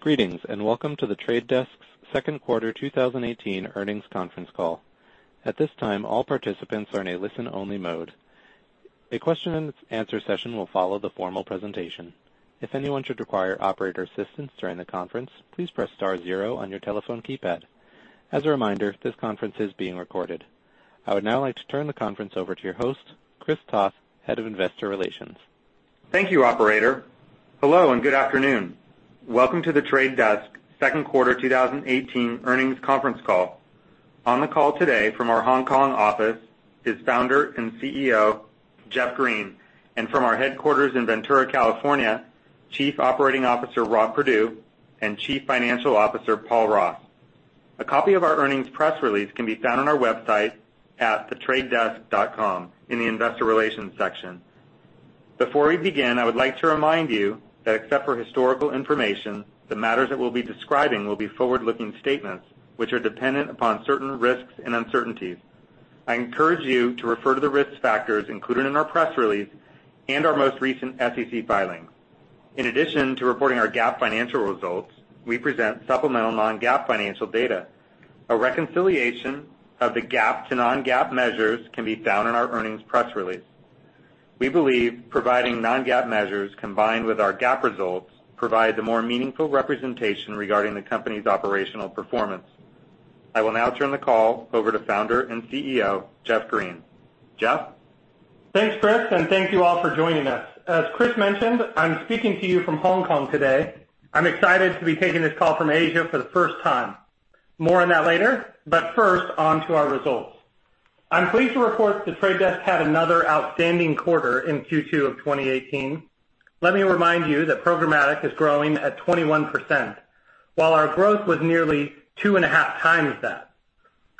Greetings, welcome to The Trade Desk’s second quarter 2018 earnings conference call. At this time, all participants are in a listen-only mode. A question and answer session will follow the formal presentation. If anyone should require operator assistance during the conference, please press star zero on your telephone keypad. As a reminder, this conference is being recorded. I would now like to turn the conference over to your host, Chris Toth, Head of Investor Relations. Thank you, operator. Hello, good afternoon. Welcome to The Trade Desk second quarter 2018 earnings conference call. On the call today from our Hong Kong office is Founder and CEO, Jeff Green, from our headquarters in Ventura, California, Chief Operating Officer, Rob Perdue, Chief Financial Officer, Paul Ross. A copy of our earnings press release can be found on our website at thetradedesk.com in the investor relations section. Before we begin, I would like to remind you that except for historical information, the matters that we'll be describing will be forward-looking statements which are dependent upon certain risks and uncertainties. I encourage you to refer to the risk factors included in our press release and our most recent SEC filings. In addition to reporting our GAAP financial results, we present supplemental non-GAAP financial data. A reconciliation of the GAAP to non-GAAP measures can be found in our earnings press release. We believe providing non-GAAP measures combined with our GAAP results provide a more meaningful representation regarding the company's operational performance. I will now turn the call over to Founder and CEO, Jeff Green. Jeff? Thanks, Chris, thank you all for joining us. As Chris mentioned, I'm speaking to you from Hong Kong today. I'm excited to be taking this call from Asia for the first time. More on that later, first, on to our results. I'm pleased to report The Trade Desk had another outstanding quarter in Q2 of 2018. Let me remind you that programmatic is growing at 21%, while our growth was nearly two and a half times that.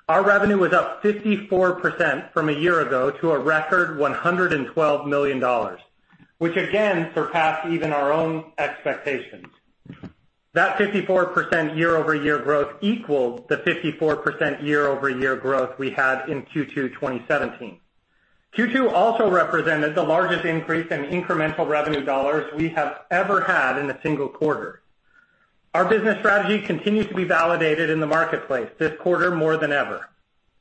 Our revenue was up 54% from a year ago to a record $112 million, which again surpassed even our own expectations. That 54% year-over-year growth equals the 54% year-over-year growth we had in Q2 2017. Q2 also represented the largest increase in incremental revenue dollars we have ever had in a single quarter. Our business strategy continues to be validated in the marketplace, this quarter more than ever.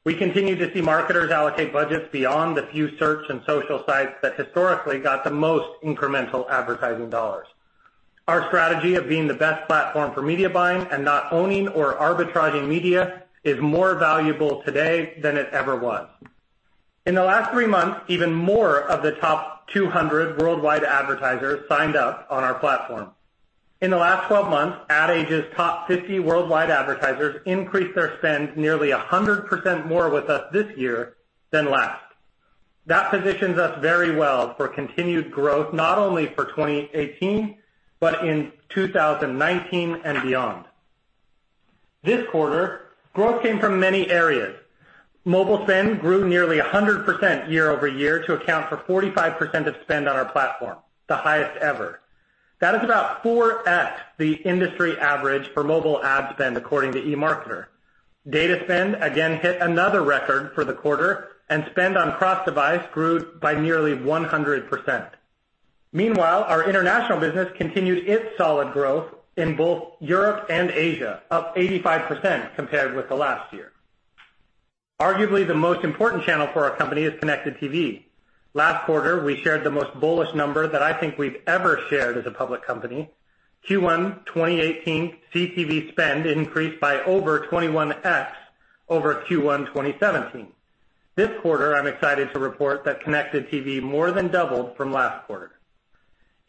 We continue to see marketers allocate budgets beyond the few search and social sites that historically got the most incremental advertising dollars. Our strategy of being the best platform for media buying and not owning or arbitraging media is more valuable today than it ever was. In the last three months, even more of the top 200 worldwide advertisers signed up on our platform. In the last 12 months, Ad Age's top 50 worldwide advertisers increased their spend nearly 100% more with us this year than last. That positions us very well for continued growth, not only for 2018, but in 2019 and beyond. This quarter, growth came from many areas. Mobile spend grew nearly 100% year-over-year to account for 45% of spend on our platform, the highest ever. That is about 4x the industry average for mobile ad spend according to eMarketer. Data spend again hit another record for the quarter. Spend on cross-device grew by nearly 100%. Meanwhile, our international business continued its solid growth in both Europe and Asia, up 85% compared with the last year. Arguably, the most important channel for our company is Connected TV. Last quarter, we shared the most bullish number that I think we've ever shared as a public company. Q1 2018 CTV spend increased by over 21x over Q1 2017. This quarter, I'm excited to report that Connected TV more than doubled from last quarter.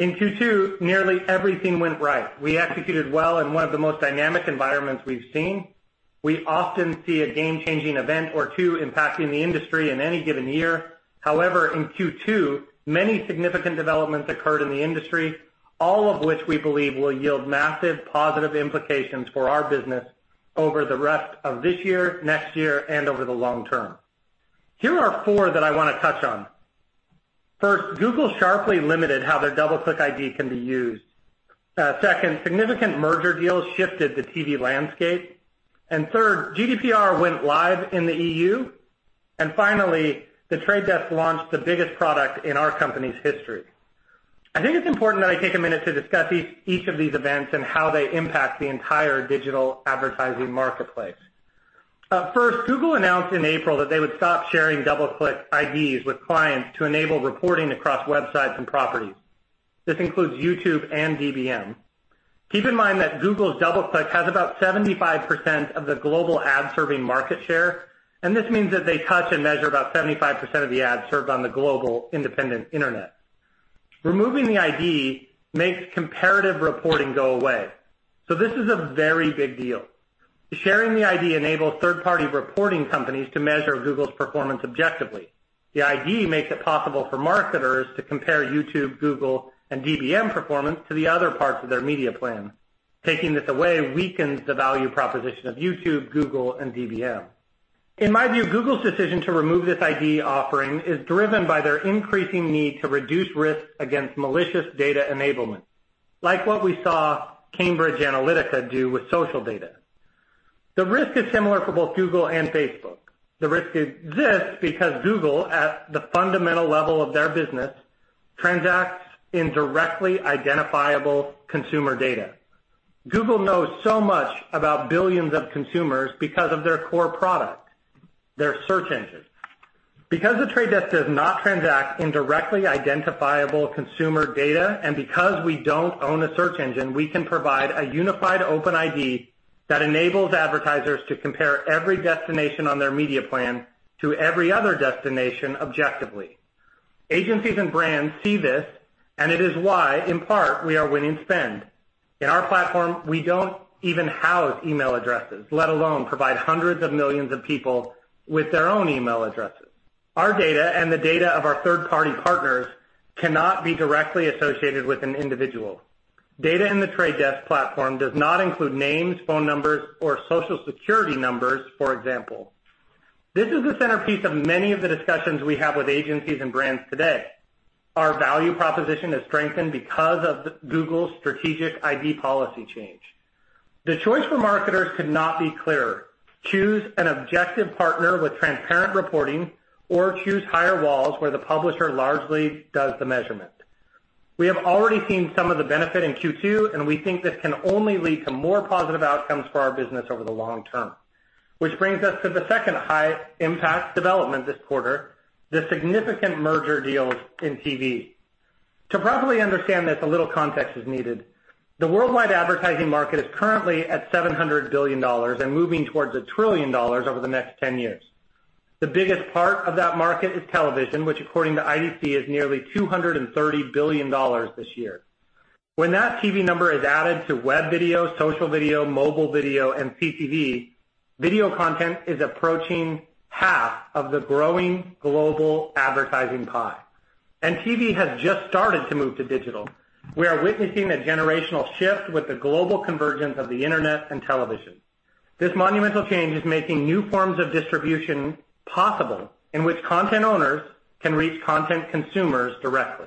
In Q2, nearly everything went right. We executed well in one of the most dynamic environments we've seen. We often see a game-changing event or two impacting the industry in any given year. In Q2, many significant developments occurred in the industry, all of which we believe will yield massive positive implications for our business over the rest of this year, next year, and over the long term. Here are four that I want to touch on. First, Google sharply limited how their DoubleClick ID can be used. Second, significant merger deals shifted the TV landscape. Third, GDPR went live in the EU. Finally, The Trade Desk launched the biggest product in our company's history. I think it's important that I take a minute to discuss each of these events and how they impact the entire digital advertising marketplace. First, Google announced in April that they would stop sharing DoubleClick IDs with clients to enable reporting across websites and properties. This includes YouTube and DBM. Keep in mind that Google's DoubleClick has about 75% of the global ad-serving market share. This means that they touch and measure about 75% of the ads served on the global independent internet. Removing the ID makes comparative reporting go away. This is a very big deal. Sharing the ID enables third-party reporting companies to measure Google's performance objectively. The ID makes it possible for marketers to compare YouTube, Google, and DBM performance to the other parts of their media plan. Taking this away weakens the value proposition of YouTube, Google, and DBM. In my view, Google's decision to remove this ID offering is driven by their increasing need to reduce risks against malicious data enablement, like what we saw Cambridge Analytica do with social data. The risk is similar for both Google and Facebook. The risk exists because Google, at the fundamental level of their business, transacts in directly identifiable consumer data. Google knows so much about billions of consumers because of their core product, their search engine. Because The Trade Desk does not transact in directly identifiable consumer data, and because we don't own a search engine, we can provide a unified open ID that enables advertisers to compare every destination on their media plan to every other destination objectively. Agencies and brands see this, and it is why, in part, we are winning spend. In our platform, we don't even house email addresses, let alone provide hundreds of millions of people with their own email addresses. Our data and the data of our third-party partners cannot be directly associated with an individual. Data in The Trade Desk platform does not include names, phone numbers, or Social Security numbers, for example. This is the centerpiece of many of the discussions we have with agencies and brands today. Our value proposition is strengthened because of Google's strategic ID policy change. The choice for marketers could not be clearer. Choose an objective partner with transparent reporting or choose higher walls where the publisher largely does the measurement. We have already seen some of the benefit in Q2, and we think this can only lead to more positive outcomes for our business over the long term. This brings us to the second high impact development this quarter, the significant merger deals in TV. To properly understand this, a little context is needed. The worldwide advertising market is currently at $700 billion and moving towards a trillion dollars over the next 10 years. The biggest part of that market is television, which according to IDC, is nearly $230 billion this year. When that TV number is added to web video, social video, mobile video, and CTV, video content is approaching half of the growing global advertising pie, and TV has just started to move to digital. We are witnessing a generational shift with the global convergence of the Internet and television. This monumental change is making new forms of distribution possible in which content owners can reach content consumers directly.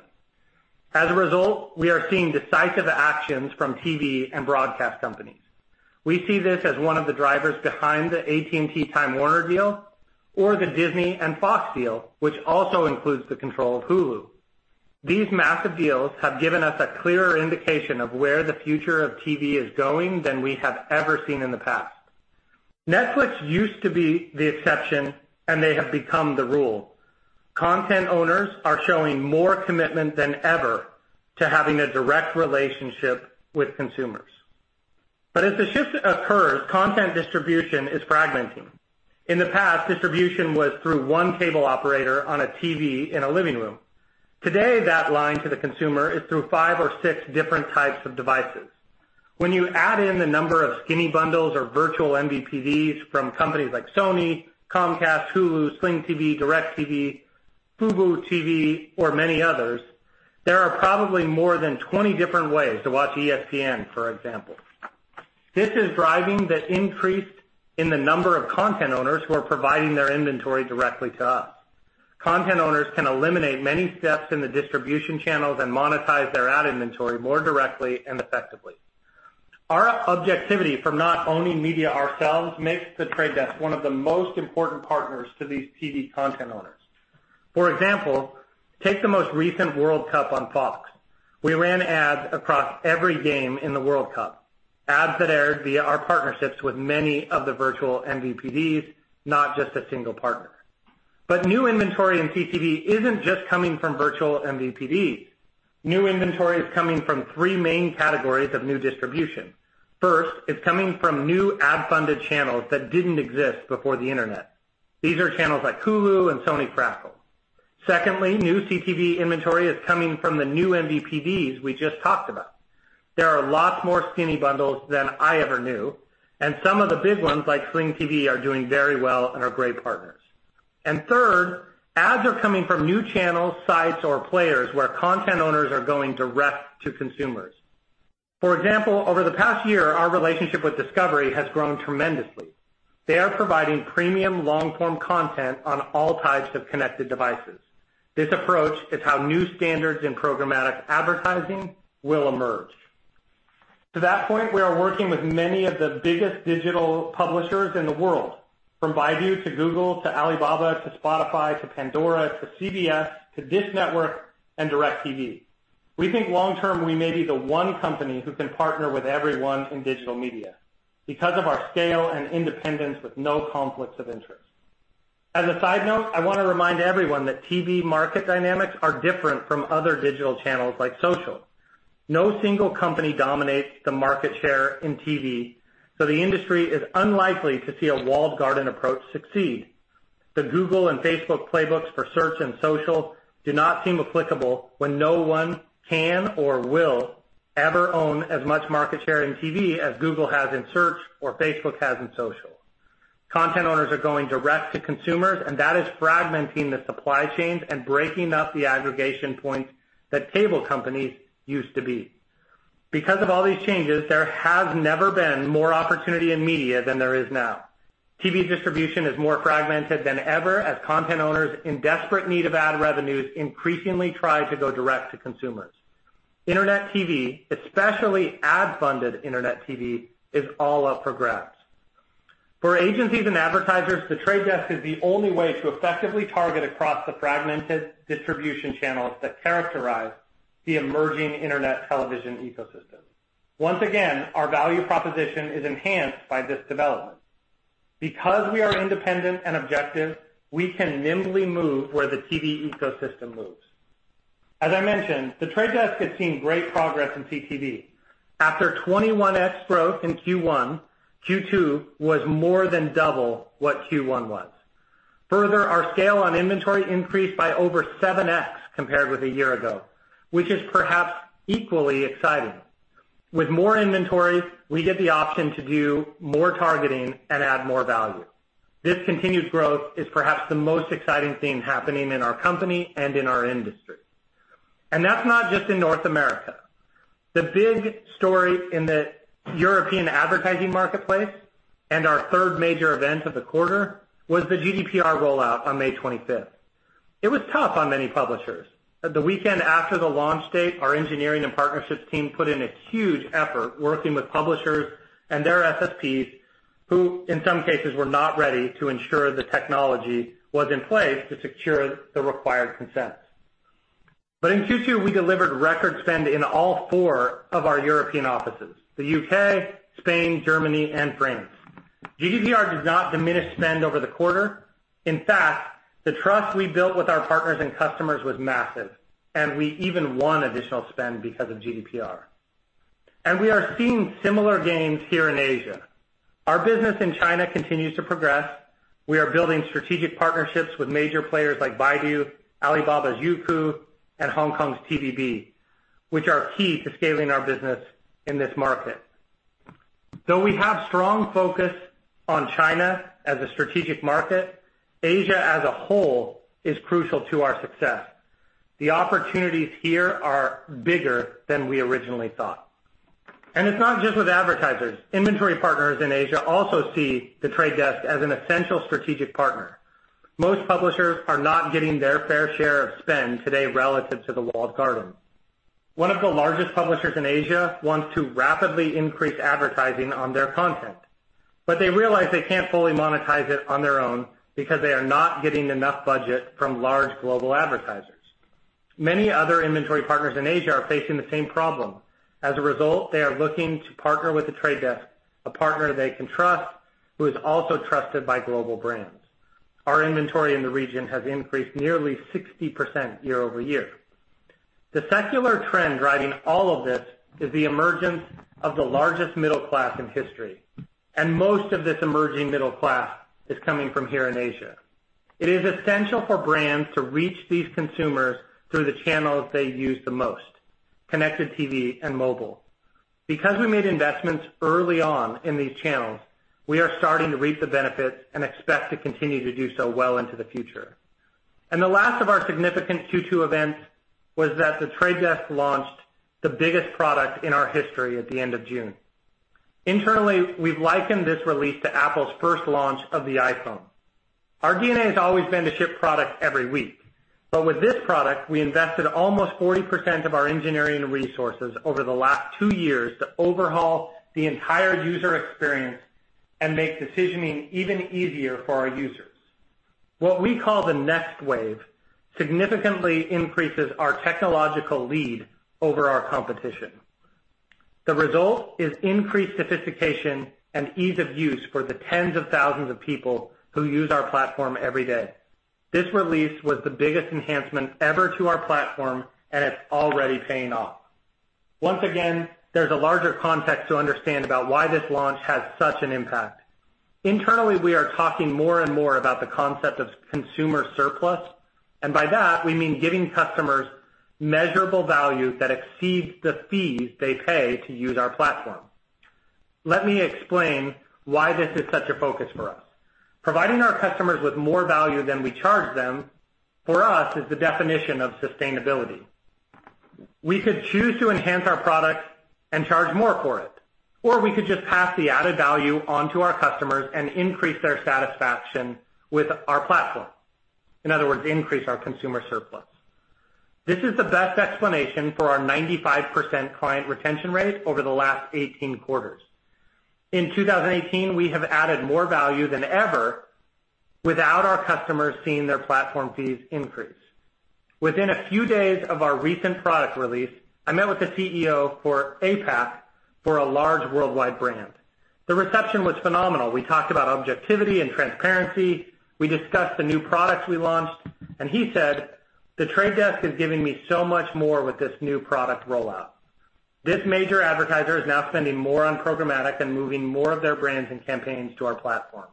As a result, we are seeing decisive actions from TV and broadcast companies. We see this as one of the drivers behind the AT&T Time Warner deal or the Disney and Fox deal, which also includes the control of Hulu. These massive deals have given us a clearer indication of where the future of TV is going than we have ever seen in the past. Netflix used to be the exception, and they have become the rule. Content owners are showing more commitment than ever to having a direct relationship with consumers. As the shift occurs, content distribution is fragmenting. In the past, distribution was through one cable operator on a TV in a living room. Today, that line to the consumer is through five or six different types of devices. When you add in the number of skinny bundles or virtual MVPDs from companies like Sony, Comcast, Hulu, Sling TV, DirecTV, FuboTV, or many others, there are probably more than 20 different ways to watch ESPN, for example. This is driving the increase in the number of content owners who are providing their inventory directly to us. Content owners can eliminate many steps in the distribution channels and monetize their ad inventory more directly and effectively. Our objectivity from not owning media ourselves makes The Trade Desk one of the most important partners to these TV content owners. For example, take the most recent World Cup on Fox. We ran ads across every game in the World Cup, ads that aired via our partnerships with many of the virtual MVPDs, not just a single partner. New inventory in CTV isn't just coming from virtual MVPDs. New inventory is coming from three main categories of new distribution. First, it's coming from new ad-funded channels that didn't exist before the Internet. These are channels like Hulu and Sony Crackle. Secondly, new CTV inventory is coming from the new MVPDs we just talked about. There are lots more skinny bundles than I ever knew, and some of the big ones, like Sling TV, are doing very well and are great partners. Third, ads are coming from new channels, sites, or players where content owners are going direct to consumers. For example, over the past year, our relationship with Discovery has grown tremendously. They are providing premium long-form content on all types of connected devices. This approach is how new standards in programmatic advertising will emerge. To that point, we are working with many of the biggest digital publishers in the world, from Baidu to Google to Alibaba to Spotify to Pandora to CBS to DISH Network and DirecTV. We think long term we may be the one company who can partner with everyone in digital media because of our scale and independence with no conflicts of interest. As a side note, I want to remind everyone that TV market dynamics are different from other digital channels like social. No single company dominates the market share in TV, the industry is unlikely to see a walled garden approach succeed. The Google and Facebook playbooks for search and social do not seem applicable when no one can or will ever own as much market share in TV as Google has in search or Facebook has in social. Content owners are going direct to consumers, and that is fragmenting the supply chains and breaking up the aggregation points that cable companies used to be. Of all these changes, there has never been more opportunity in media than there is now. TV distribution is more fragmented than ever as content owners in desperate need of ad revenues increasingly try to go direct to consumers. Internet TV, especially ad-funded Internet TV, is all up for grabs. For agencies and advertisers, The Trade Desk is the only way to effectively target across the fragmented distribution channels that characterize the emerging Internet television ecosystem. Once again, our value proposition is enhanced by this development. We are independent and objective, we can nimbly move where the TV ecosystem moves. As I mentioned, The Trade Desk has seen great progress in CTV. After 21x growth in Q1, Q2 was more than double what Q1 was. Further, our scale on inventory increased by over 7x compared with a year ago, which is perhaps equally exciting. With more inventory, we get the option to do more targeting and add more value. This continued growth is perhaps the most exciting thing happening in our company and in our industry. That's not just in North America. The big story in the European advertising marketplace, our third major event of the quarter, was the GDPR rollout on May 25th. It was tough on many publishers. The weekend after the launch date, our engineering and partnerships team put in a huge effort working with publishers and their SSPs, who in some cases were not ready to ensure the technology was in place to secure the required consents. In Q2, we delivered record spend in all four of our European offices, the U.K., Spain, Germany, and France. GDPR did not diminish spend over the quarter. In fact, the trust we built with our partners and customers was massive, and we even won additional spend because of GDPR. We are seeing similar gains here in Asia. Our business in China continues to progress. We are building strategic partnerships with major players like Baidu, Alibaba's Youku, and Hong Kong's TVB, which are key to scaling our business in this market. Though we have strong focus on China as a strategic market, Asia as a whole is crucial to our success. The opportunities here are bigger than we originally thought. It is not just with advertisers. Inventory partners in Asia also see The Trade Desk as an essential strategic partner. Most publishers are not getting their fair share of spend today relative to the walled gardens. One of the largest publishers in Asia wants to rapidly increase advertising on their content, but they realize they can't fully monetize it on their own because they are not getting enough budget from large global advertisers. Many other inventory partners in Asia are facing the same problem. As a result, they are looking to partner with The Trade Desk, a partner they can trust, who is also trusted by global brands. Our inventory in the region has increased nearly 60% year-over-year. The secular trend driving all of this is the emergence of the largest middle class in history, and most of this emerging middle class is coming from here in Asia. It is essential for brands to reach these consumers through the channels they use the most, connected TV and mobile. Because we made investments early on in these channels, we are starting to reap the benefits and expect to continue to do so well into the future. The last of our significant Q2 events was that The Trade Desk launched the biggest product in our history at the end of June. Internally, we've likened this release to Apple's first launch of the iPhone. Our DNA has always been to ship products every week. With this product, we invested almost 40% of our engineering resources over the last two years to overhaul the entire user experience and make decisioning even easier for our users. What we call the Next Wave significantly increases our technological lead over our competition. The result is increased sophistication and ease of use for the tens of thousands of people who use our platform every day. This release was the biggest enhancement ever to our platform, and it's already paying off. Once again, there's a larger context to understand about why this launch has such an impact. Internally, we are talking more and more about the concept of consumer surplus, and by that we mean giving customers measurable value that exceeds the fees they pay to use our platform. Let me explain why this is such a focus for us. Providing our customers with more value than we charge them, for us, is the definition of sustainability. We could choose to enhance our product and charge more for it, or we could just pass the added value on to our customers and increase their satisfaction with our platform. In other words, increase our consumer surplus. This is the best explanation for our 95% client retention rate over the last 18 quarters. In 2018, we have added more value than ever without our customers seeing their platform fees increase. Within a few days of our recent product release, I met with the CEO for APAC for a large worldwide brand. The reception was phenomenal. We talked about objectivity and transparency. We discussed the new products we launched, he said, "The Trade Desk is giving me so much more with this new product rollout." This major advertiser is now spending more on programmatic and moving more of their brands and campaigns to our platform.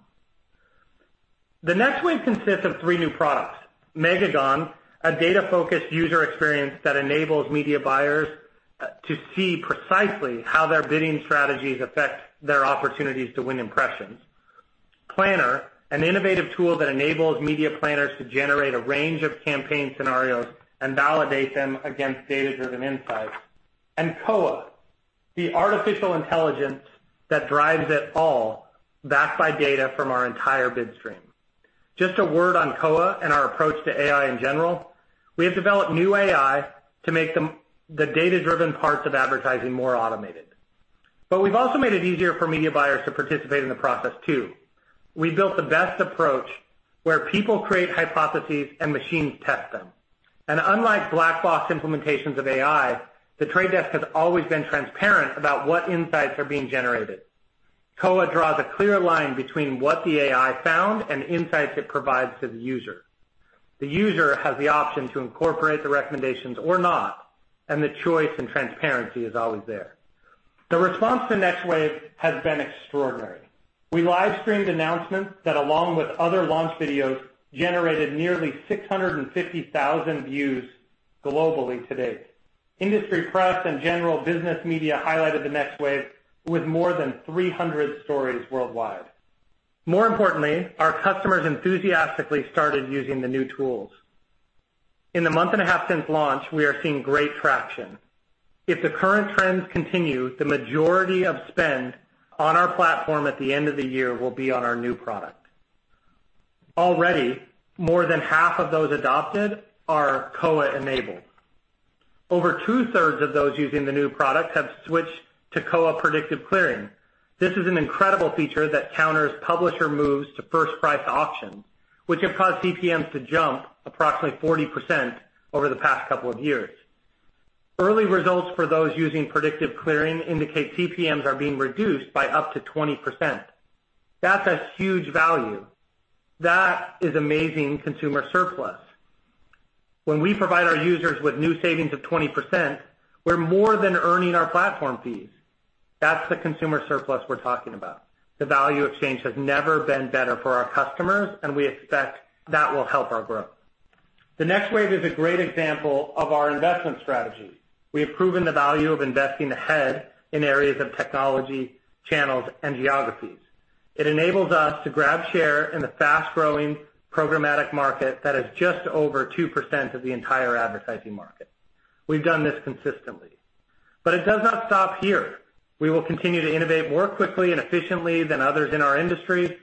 The Next Wave consists of three new products. Megagon, a data-focused user experience that enables media buyers, to see precisely how their bidding strategies affect their opportunities to win impressions. Planner, an innovative tool that enables media planners to generate a range of campaign scenarios and validate them against data-driven insights. Koa, the artificial intelligence that drives it all, backed by data from our entire bid stream. Just a word on Koa and our approach to AI in general, we have developed new AI to make the data-driven parts of advertising more automated. We've also made it easier for media buyers to participate in the process too. We built the best approach where people create hypotheses and machines test them. Unlike black box implementations of AI, The Trade Desk has always been transparent about what insights are being generated. Koa draws a clear line between what the AI found and the insights it provides to the user. The user has the option to incorporate the recommendations or not, and the choice and transparency is always there. The response to Next Wave has been extraordinary. We livestreamed announcements that, along with other launch videos, generated nearly 650,000 views globally to date. Industry press and general business media highlighted the Next Wave with more than 300 stories worldwide. More importantly, our customers enthusiastically started using the new tools. In the month and a half since launch, we are seeing great traction. If the current trends continue, the majority of spend on our platform at the end of the year will be on our new product. Already, more than half of those adopted are Koa-enabled. Over two-thirds of those using the new product have switched to Koa Predictive Clearing. This is an incredible feature that counters publisher moves to first-price auctions, which have caused CPMs to jump approximately 40% over the past couple of years. Early results for those using Predictive Clearing indicate CPMs are being reduced by up to 20%. That's a huge value. That is amazing consumer surplus. When we provide our users with new savings of 20%, we're more than earning our platform fees. That's the consumer surplus we're talking about. The value exchange has never been better for our customers, and we expect that will help our growth. The Next Wave is a great example of our investment strategy. We have proven the value of investing ahead in areas of technology, channels, and geographies. It enables us to grab share in the fast-growing programmatic market that is just over 2% of the entire advertising market. We've done this consistently. It does not stop here. We will continue to innovate more quickly and efficiently than others in our industry.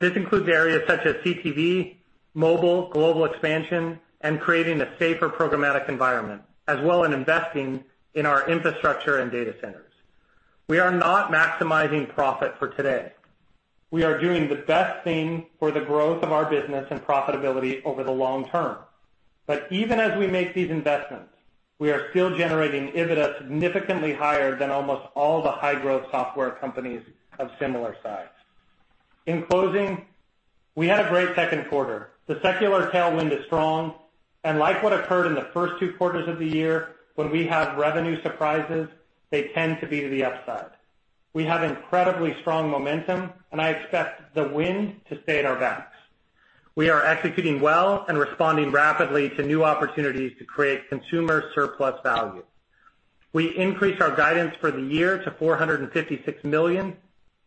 This includes areas such as CTV, mobile, global expansion, and creating a safer programmatic environment, as well in investing in our infrastructure and data centers. We are not maximizing profit for today. We are doing the best thing for the growth of our business and profitability over the long term. Even as we make these investments, we are still generating EBITDA significantly higher than almost all the high-growth software companies of similar size. In closing, we had a great second quarter. The secular tailwind is strong, like what occurred in the first two quarters of the year, when we have revenue surprises, they tend to be to the upside. We have incredibly strong momentum, I expect the wind to stay at our backs. We are executing well and responding rapidly to new opportunities to create consumer surplus value. We increased our guidance for the year to $456 million,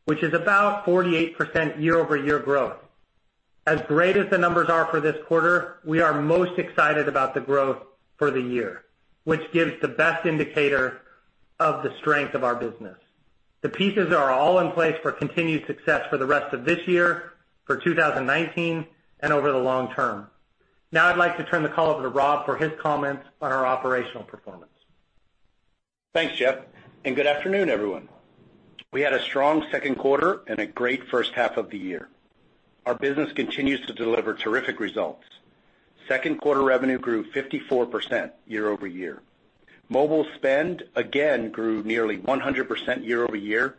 which is about 48% year-over-year growth. As great as the numbers are for this quarter, we are most excited about the growth for the year, which gives the best indicator of the strength of our business. The pieces are all in place for continued success for the rest of this year, for 2019, and over the long term. I'd like to turn the call over to Rob for his comments on our operational performance. Thanks, Jeff, and good afternoon, everyone. We had a strong second quarter and a great first half of the year. Our business continues to deliver terrific results. Second quarter revenue grew 54% year-over-year. Mobile spend again grew nearly 100% year-over-year,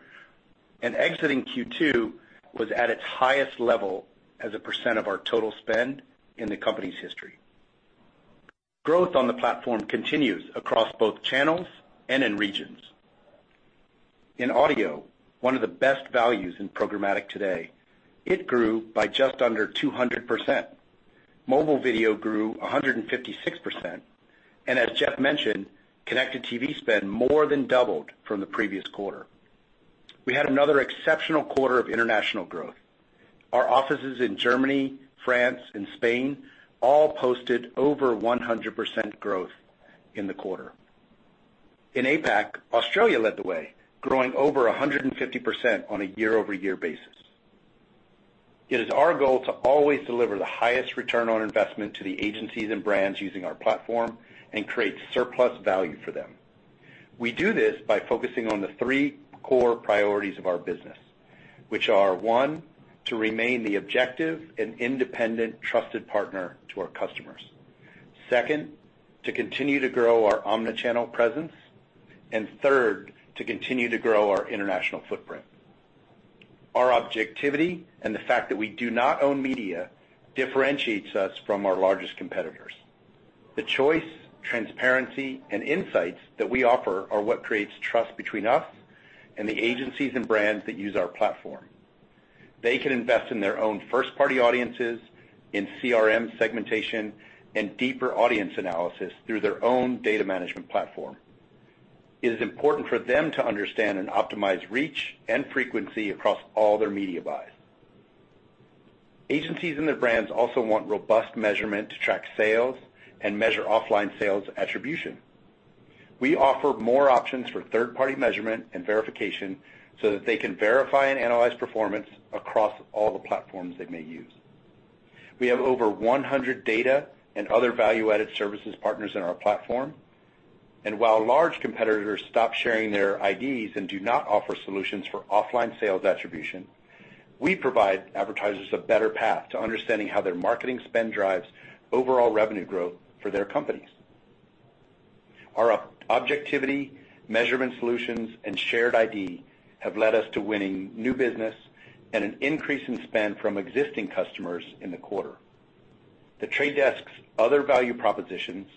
and exiting Q2 was at its highest level as a percent of our total spend in the company's history. Growth on the platform continues across both channels and in regions. In audio, one of the best values in programmatic today, it grew by just under 200%. Mobile video grew 156%, and as Jeff mentioned, connected TV spend more than doubled from the previous quarter. We had another exceptional quarter of international growth. Our offices in Germany, France, and Spain all posted over 100% growth in the quarter. In APAC, Australia led the way, growing over 150% on a year-over-year basis. It is our goal to always deliver the highest return on investment to the agencies and brands using our platform and create surplus value for them. We do this by focusing on the three core priorities of our business, which are, 1, to remain the objective and independent trusted partner to our customers. Second, to continue to grow our omni-channel presence. Third, to continue to grow our international footprint. Our objectivity and the fact that we do not own media differentiates us from our largest competitors. The choice, transparency, and insights that we offer are what creates trust between us and the agencies and brands that use our platform. They can invest in their own first-party audiences, in CRM segmentation, and deeper audience analysis through their own data management platform. It is important for them to understand and optimize reach and frequency across all their media buys. Agencies and their brands also want robust measurement to track sales and measure offline sales attribution. We offer more options for third-party measurement and verification so that they can verify and analyze performance across all the platforms they may use. We have over 100 data and other value-added services partners in our platform. While large competitors stop sharing their IDs and do not offer solutions for offline sales attribution, we provide advertisers a better path to understanding how their marketing spend drives overall revenue growth for their companies. Our objectivity, measurement solutions, and shared ID have led us to winning new business and an increase in spend from existing customers in the quarter. The Trade Desk's other value propositions,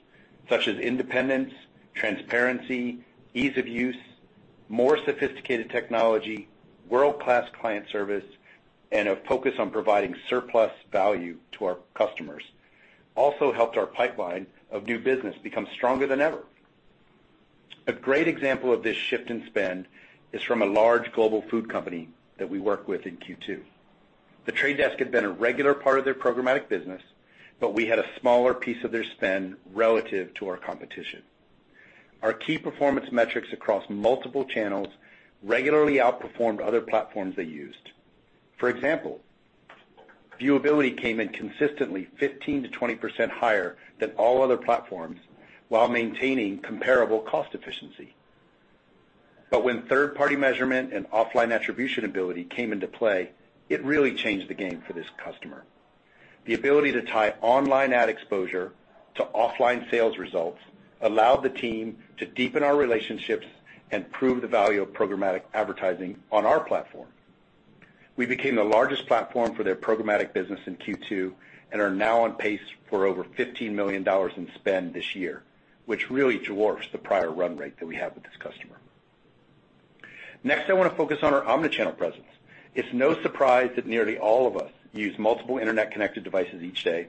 such as independence, transparency, ease of use, more sophisticated technology, world-class client service, and a focus on providing surplus value to our customers also helped our pipeline of new business become stronger than ever. A great example of this shift in spend is from a large global food company that we worked with in Q2. The Trade Desk had been a regular part of their programmatic business, but we had a smaller piece of their spend relative to our competition. Our key performance metrics across multiple channels regularly outperformed other platforms they used. For example, viewability came in consistently 15%-20% higher than all other platforms while maintaining comparable cost efficiency. When third-party measurement and offline attribution ability came into play, it really changed the game for this customer. The ability to tie online ad exposure to offline sales results allowed the team to deepen our relationships and prove the value of programmatic advertising on our platform. We became the largest platform for their programmatic business in Q2 and are now on pace for over $15 million in spend this year, which really dwarfs the prior run rate that we had with this customer. Next, I want to focus on our omnichannel presence. It is no surprise that nearly all of us use multiple internet-connected devices each day,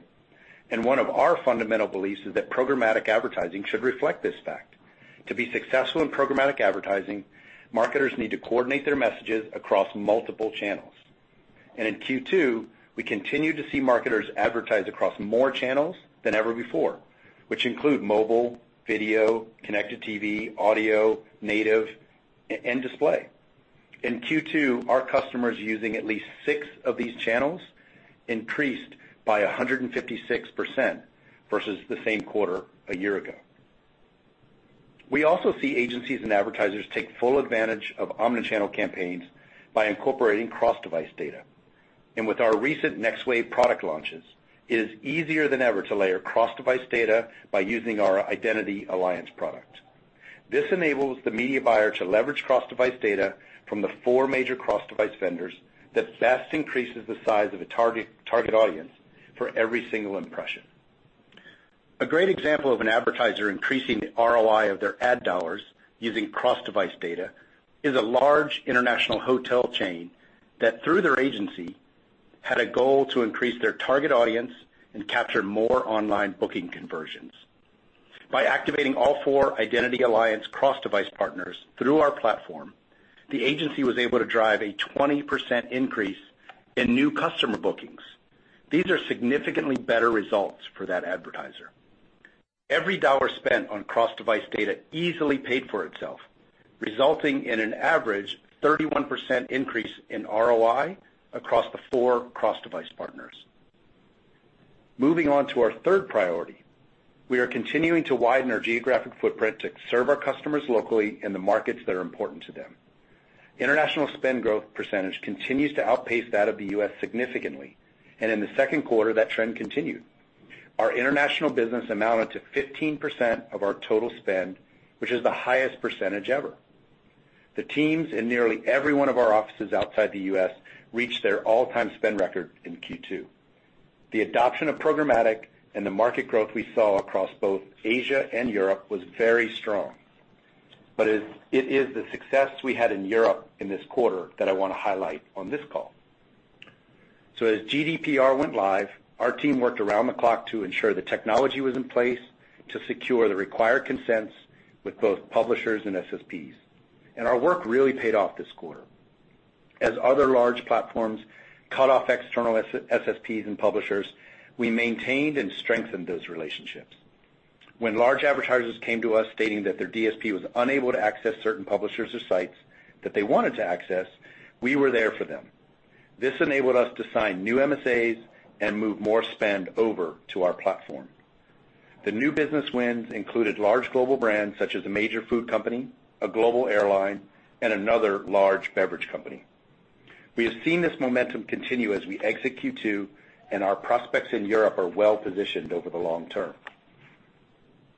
and one of our fundamental beliefs is that programmatic advertising should reflect this fact. To be successful in programmatic advertising, marketers need to coordinate their messages across multiple channels. In Q2, we continued to see marketers advertise across more channels than ever before, which include mobile, video, connected TV, audio, native, and display. In Q2, our customers using at least six of these channels increased by 156% versus the same quarter a year ago. We also see agencies and advertisers take full advantage of omnichannel campaigns by incorporating cross-device data. With our recent Next Wave product launches, it is easier than ever to layer cross-device data by using our Identity Alliance product. This enables the media buyer to leverage cross-device data from the four major cross-device vendors that best increases the size of a target audience for every single impression. A great example of an advertiser increasing the ROI of their ad dollars using cross-device data is a large international hotel chain that, through their agency, had a goal to increase their target audience and capture more online booking conversions. By activating all four Identity Alliance cross-device partners through our platform, the agency was able to drive a 20% increase in new customer bookings. These are significantly better results for that advertiser. Every dollar spent on cross-device data easily paid for itself, resulting in an average 31% increase in ROI across the four cross-device partners. Moving on to our third priority, we are continuing to widen our geographic footprint to serve our customers locally in the markets that are important to them. International spend growth percentage continues to outpace that of the U.S. significantly, and in the second quarter, that trend continued. Our international business amounted to 15% of our total spend, which is the highest percentage ever. The teams in nearly every one of our offices outside the U.S. reached their all-time spend record in Q2. The adoption of programmatic and the market growth we saw across both Asia and Europe was very strong. It is the success we had in Europe in this quarter that I want to highlight on this call. As GDPR went live, our team worked around the clock to ensure the technology was in place to secure the required consents with both publishers and SSPs. Our work really paid off this quarter. As other large platforms cut off external SSPs and publishers, we maintained and strengthened those relationships. When large advertisers came to us stating that their DSP was unable to access certain publishers or sites that they wanted to access, we were there for them. This enabled us to sign new MSAs and move more spend over to our platform. The new business wins included large global brands such as a major food company, a global airline, and another large beverage company. We have seen this momentum continue as we exit Q2, and our prospects in Europe are well-positioned over the long term.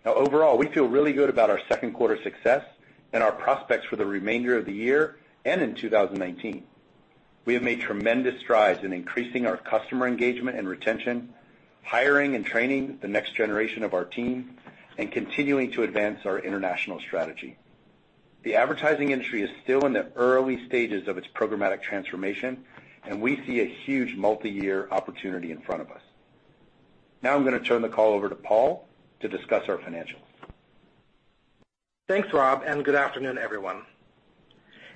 Overall, we feel really good about our second quarter success and our prospects for the remainder of the year and in 2019. We have made tremendous strides in increasing our customer engagement and retention, hiring and training the next generation of our team, and continuing to advance our international strategy. The advertising industry is still in the early stages of its programmatic transformation, and we see a huge multiyear opportunity in front of us. I'm going to turn the call over to Paul to discuss our financials. Thanks, Rob, and good afternoon, everyone.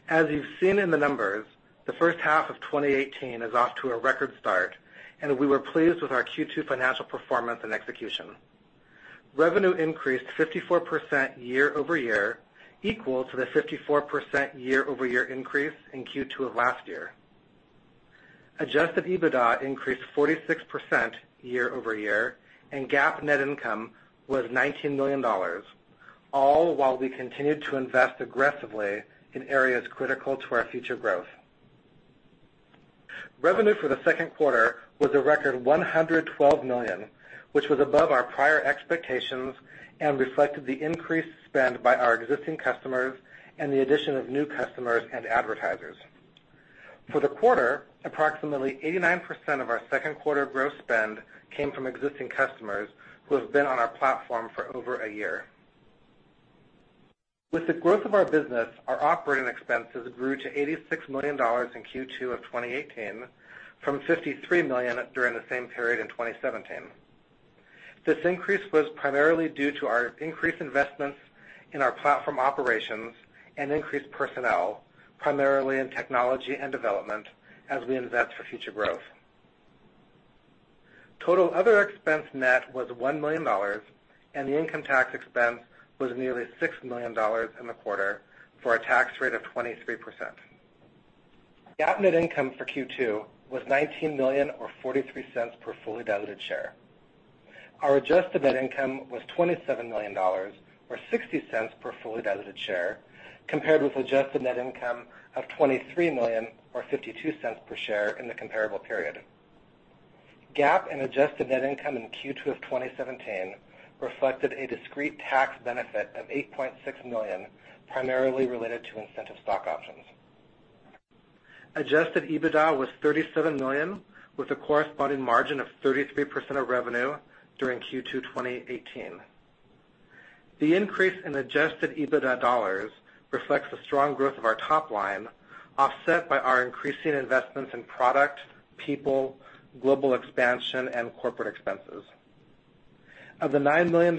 As you've seen in the numbers, the first half of 2018 is off to a record start, and we were pleased with our Q2 financial performance and execution. Revenue increased 54% year-over-year, equal to the 54% year-over-year increase in Q2 of last year. Adjusted EBITDA increased 46% year-over-year, and GAAP net income was $19 million, all while we continued to invest aggressively in areas critical to our future growth. Revenue for the second quarter was a record $112 million, which was above our prior expectations and reflected the increased spend by our existing customers and the addition of new customers and advertisers. For the quarter, approximately 89% of our second quarter growth spend came from existing customers who have been on our platform for over a year. With the growth of our business, our operating expenses grew to $86 million in Q2 of 2018 from $53 million during the same period in 2017. This increase was primarily due to our increased investments in our platform operations and increased personnel, primarily in technology and development, as we invest for future growth. Total other expense net was $1 million, and the income tax expense was nearly $6 million in the quarter for a tax rate of 23%. GAAP net income for Q2 was $19 million, or $0.43 per fully diluted share. Our adjusted net income was $27 million or $0.60 per fully diluted share, compared with adjusted net income of $23 million or $0.52 per share in the comparable period. GAAP and adjusted net income in Q2 of 2017 reflected a discrete tax benefit of $8.6 million, primarily related to incentive stock options. Adjusted EBITDA was $37 million, with a corresponding margin of 33% of revenue during Q2 2018. The increase in adjusted EBITDA dollars reflects the strong growth of our top line, offset by our increasing investments in product, people, global expansion, and corporate expenses. Of the $9 million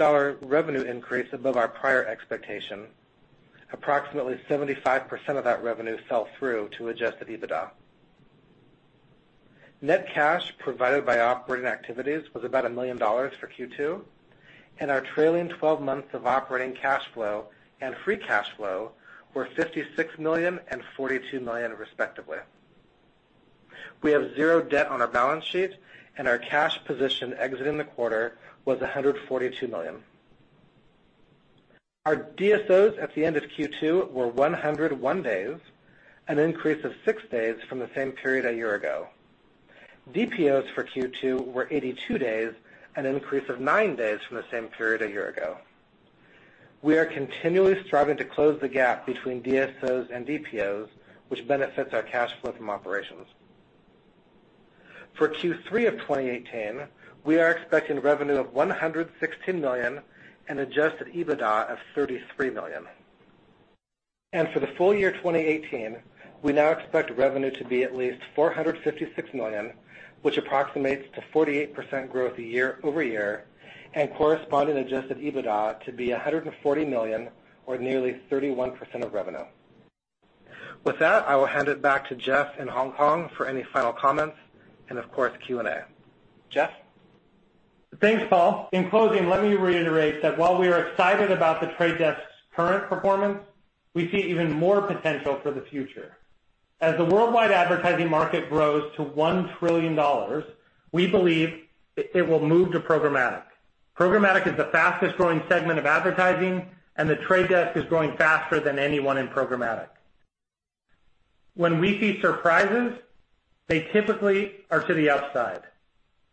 revenue increase above our prior expectation, approximately 75% of that revenue fell through to adjusted EBITDA. Net cash provided by operating activities was about $1 million for Q2, and our trailing 12 months of operating cash flow and free cash flow were $56 million and $42 million, respectively. We have zero debt on our balance sheet, and our cash position exiting the quarter was $142 million. Our DSOs at the end of Q2 were 101 days, an increase of six days from the same period a year ago. DPOs for Q2 were 82 days, an increase of nine days from the same period a year ago. We are continually striving to close the gap between DSOs and DPOs, which benefits our cash flow from operations. For Q3 of 2018, we are expecting revenue of $116 million and adjusted EBITDA of $33 million. For the full year 2018, we now expect revenue to be at least $456 million, which approximates to 48% growth year-over-year, and corresponding adjusted EBITDA to be $140 million, or nearly 31% of revenue. With that, I will hand it back to Jeff in Hong Kong for any final comments and of course, Q&A. Jeff? Thanks, Paul. In closing, let me reiterate that while we are excited about The Trade Desk's current performance, we see even more potential for the future. As the worldwide advertising market grows to $1 trillion, we believe it will move to programmatic. Programmatic is the fastest growing segment of advertising, and The Trade Desk is growing faster than anyone in programmatic. When we see surprises, they typically are to the upside.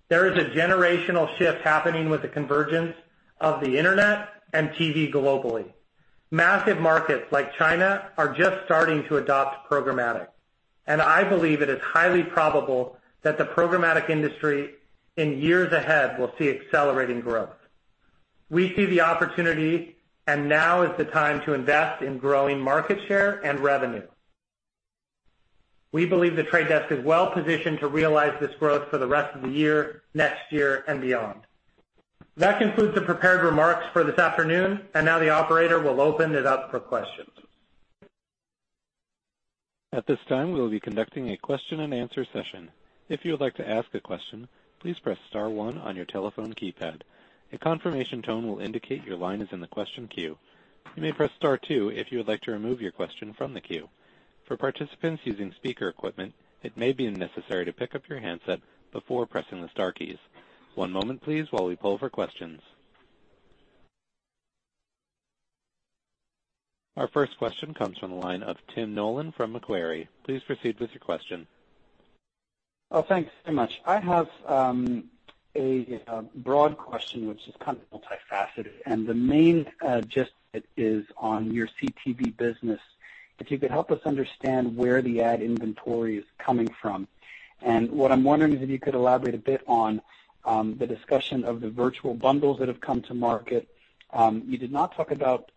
There is a generational shift happening with the convergence of the internet and TV globally. Massive markets like China are just starting to adopt programmatic, and I believe it is highly probable that the programmatic industry in years ahead will see accelerating growth. We see the opportunity, now is the time to invest in growing market share and revenue. We believe The Trade Desk is well positioned to realize this growth for the rest of the year, next year, and beyond. That concludes the prepared remarks for this afternoon. Now the operator will open it up for questions. At this time, we will be conducting a question and answer session. If you would like to ask a question, please press *1 on your telephone keypad. A confirmation tone will indicate your line is in the question queue. You may press *2 if you would like to remove your question from the queue. For participants using speaker equipment, it may be necessary to pick up your handset before pressing the star keys. One moment, please, while we poll for questions. Our first question comes from the line of Tim Nollen from Macquarie. Please proceed with your question. Oh, thanks very much. I have, a broad question which is kind of multifaceted. The main gist is on your CTV business, if you could help us understand where the ad inventory is coming from. What I'm wondering is if you could elaborate a bit on the discussion of the virtual bundles that have come to market. You did not talk about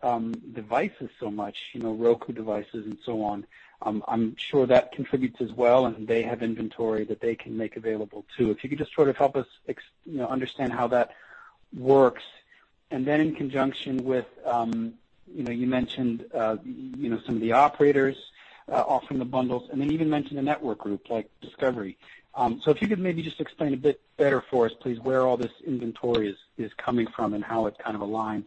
devices so much, Roku devices and so on. I'm sure that contributes as well. They have inventory that they can make available too. If you could just sort of help us understand how that works. Then in conjunction with, you know, you mentioned some of the operators offering the bundles. Then you even mentioned a network group like Discovery. If you could maybe just explain a bit better for us, please, where all this inventory is coming from and how it kind of aligns.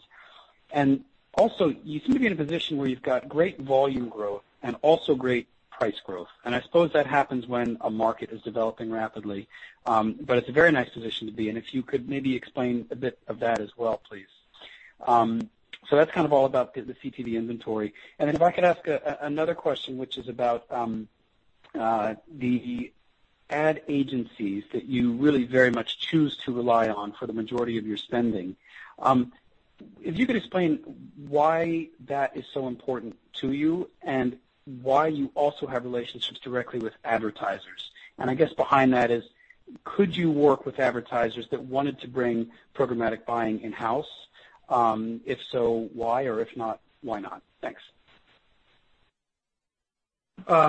Also, you seem to be in a position where you've got great volume growth and also great price growth. I suppose that happens when a market is developing rapidly. It's a very nice position to be in. If you could maybe explain a bit of that as well, please. That's kind of all about the CTV inventory. Then if I could ask another question, which is about the ad agencies that you really very much choose to rely on for the majority of your spending. If you could explain why that is so important to you and why you also have relationships directly with advertisers. I guess behind that is, could you work with advertisers that wanted to bring programmatic buying in-house? If so, why? Or if not, why not? Thanks.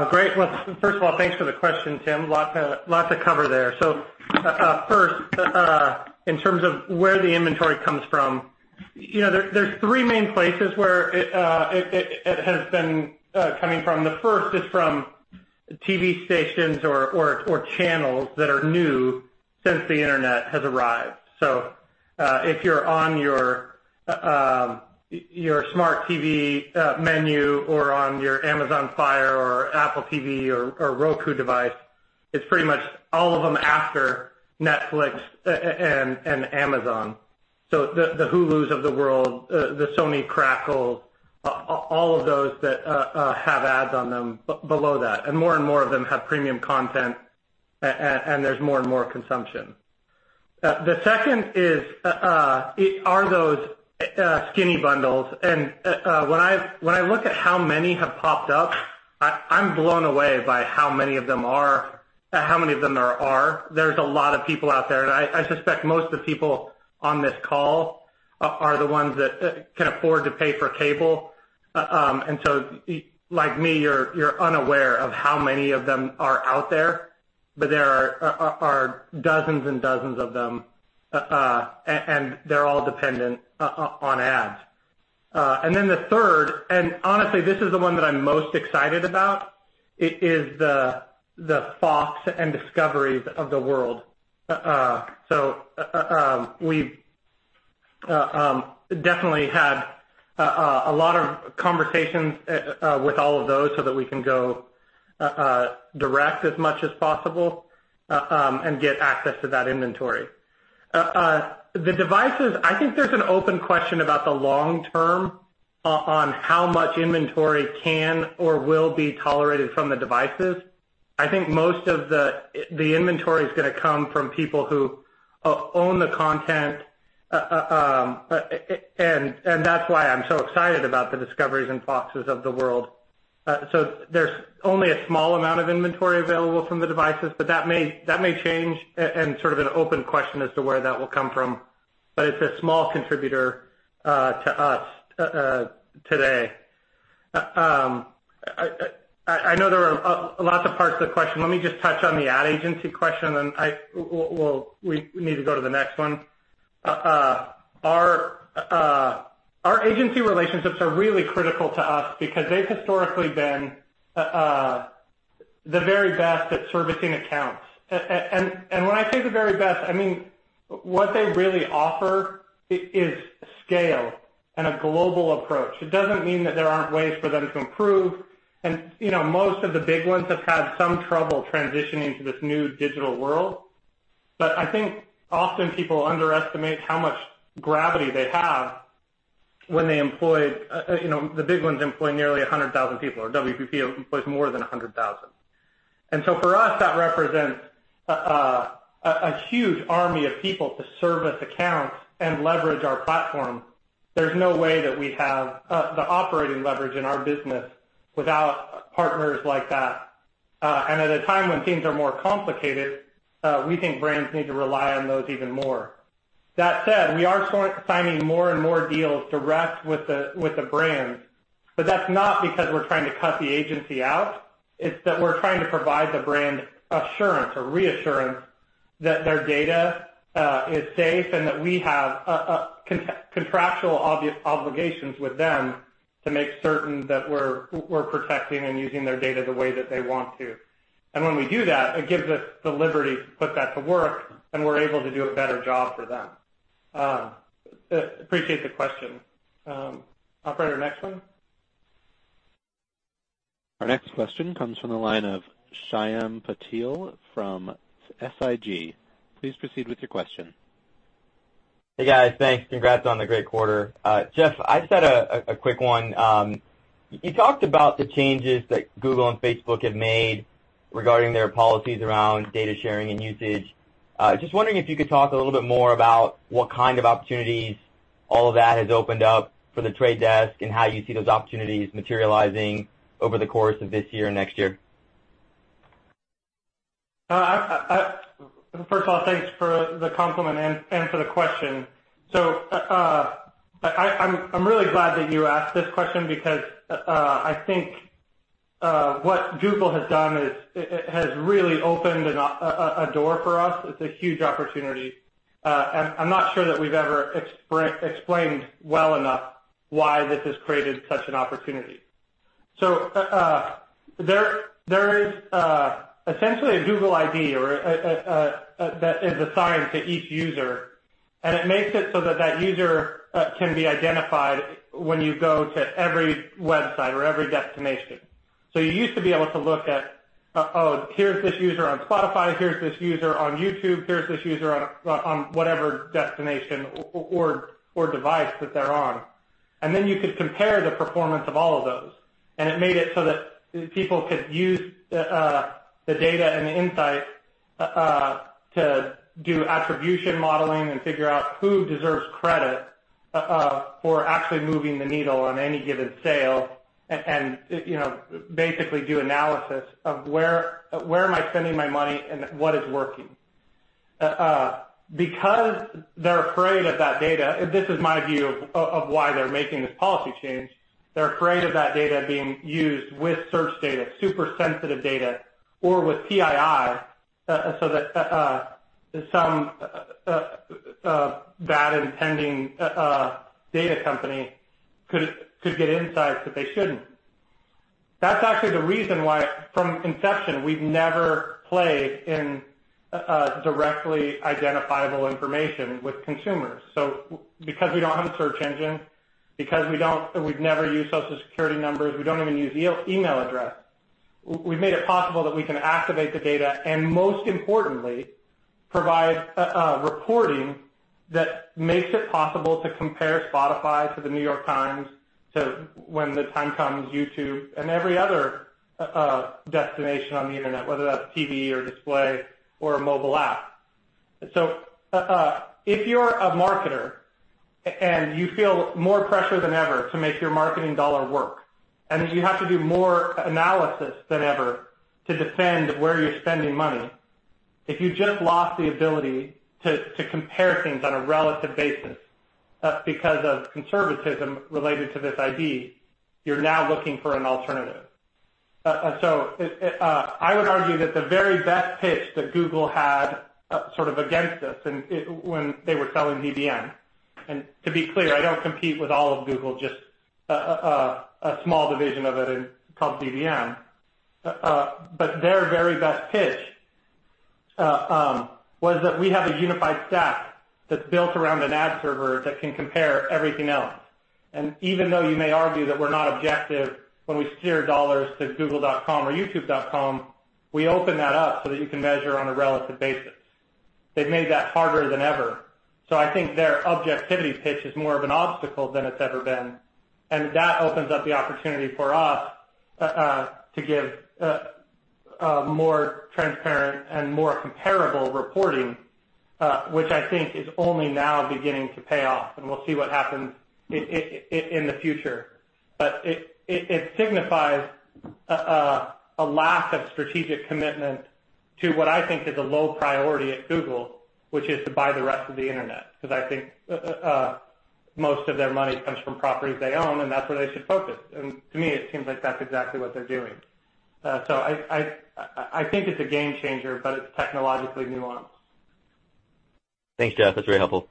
Great. Well, first of all, thanks for the question, Tim. Lots to cover there. First, in terms of where the inventory comes from, there's three main places where it has been coming from. The first is from TV stations or channels that are new since the internet has arrived. If you're on your smart TV menu or on your Amazon Fire or Apple TV or Roku device, it's pretty much all of them after Netflix and Amazon. The Hulus of the world, the Sony Crackles, all of those that have ads on them below that. More and more of them have premium content, and there's more and more consumption. The second are those skinny bundles. When I look at how many have popped up, I'm blown away by how many of them there are. There's a lot of people out there, and I suspect most of the people on this call are the ones that can afford to pay for cable. Like me, you're unaware of how many of them are out there, but there are dozens and dozens of them. They're all dependent on ads. Then the third, and honestly, this is the one that I'm most excited about, is the Fox and Discoveries of the world. We've definitely had a lot of conversations with all of those so that we can go direct as much as possible, and get access to that inventory. The devices, I think there's an open question about the long term on how much inventory can or will be tolerated from the devices. I think most of the inventory is going to come from people who own the content, and that's why I'm so excited about the Discoveries and Foxes of the world. There's only a small amount of inventory available from the devices, but that may change and sort of an open question as to where that will come from. It's a small contributor to us today. I know there are lots of parts to the question. Let me just touch on the ad agency question, and we'll need to go to the next one. Our agency relationships are really critical to us because they've historically been the very best at servicing accounts. When I say the very best, I mean, what they really offer is scale and a global approach. It doesn't mean that there aren't ways for them to improve. Most of the big ones have had some trouble transitioning to this new digital world. I think often people underestimate how much gravity they have when The big ones employ nearly 100,000 people, or WPP employs more than 100,000. For us, that represents a huge army of people to service accounts and leverage our platform. There's no way that we have the operating leverage in our business without partners like that. At a time when things are more complicated, we think brands need to rely on those even more. That said, we are signing more and more deals direct with the brands, but that's not because we're trying to cut the agency out. It's that we're trying to provide the brand assurance or reassurance that their data is safe and that we have contractual obligations with them to make certain that we're protecting and using their data the way that they want to. When we do that, it gives us the liberty to put that to work, and we're able to do a better job for them. Appreciate the question. Operator, next one. Our next question comes from the line of Shyam Patil from Susquehanna. Please proceed with your question. Hey, guys. Thanks. Congrats on the great quarter. Jeff, I just had a quick one. You talked about the changes that Google and Facebook have made regarding their policies around data sharing and usage. Just wondering if you could talk a little bit more about what kind of opportunities all of that has opened up for The Trade Desk and how you see those opportunities materializing over the course of this year and next year. First of all, thanks for the compliment and for the question. I'm really glad that you asked this question because I think what Google has done has really opened a door for us. It's a huge opportunity. I'm not sure that we've ever explained well enough why this has created such an opportunity. There is essentially a Google ID that is assigned to each user, and it makes it so that that user can be identified when you go to every website or every destination. You used to be able to look at, oh, here's this user on Spotify, here's this user on YouTube, here's this user on whatever destination or device that they're on. Then you could compare the performance of all of those. It made it so that people could use the data and the insight, to do attribution modeling and figure out who deserves credit for actually moving the needle on any given sale and, basically do analysis of where am I spending my money and what is working. Because they're afraid of that data, this is my view of why they're making this policy change, they're afraid of that data being used with search data, super sensitive data or with PII, so that some bad intending data company could get insights that they shouldn't. That's actually the reason why, from inception, we've never played in directly identifiable information with consumers. Because we don't have a search engine, because we've never used Social Security numbers, we don't even use email address. We've made it possible that we can activate the data and most importantly, provide reporting that makes it possible to compare Spotify to The New York Times, to when the time comes, YouTube and every other destination on the Internet, whether that's TV or display or a mobile app. If you're a marketer and you feel more pressure than ever to make your marketing dollar work, and you have to do more analysis than ever to defend where you're spending money, if you just lost the ability to compare things on a relative basis because of conservatism related to this ID, you're now looking for an alternative. I would argue that the very best pitch that Google had sort of against us when they were selling DBM, and to be clear, I don't compete with all of Google, just a small division of it called DBM. Their very best pitch, was that we have a unified stack that's built around an ad server that can compare everything else. Even though you may argue that we're not objective when we steer dollars to google.com or youtube.com, we open that up so that you can measure on a relative basis. They've made that harder than ever. I think their objectivity pitch is more of an obstacle than it's ever been, and that opens up the opportunity for us, to give more transparent and more comparable reporting, which I think is only now beginning to pay off, and we'll see what happens in the future. It signifies a lack of strategic commitment to what I think is a low priority at Google, which is to buy the rest of the Internet, because I think most of their money comes from properties they own, and that's where they should focus. To me, it seems like that's exactly what they're doing. I think it's a game changer, but it's technologically nuanced. Thanks, Jeff. That's very helpful.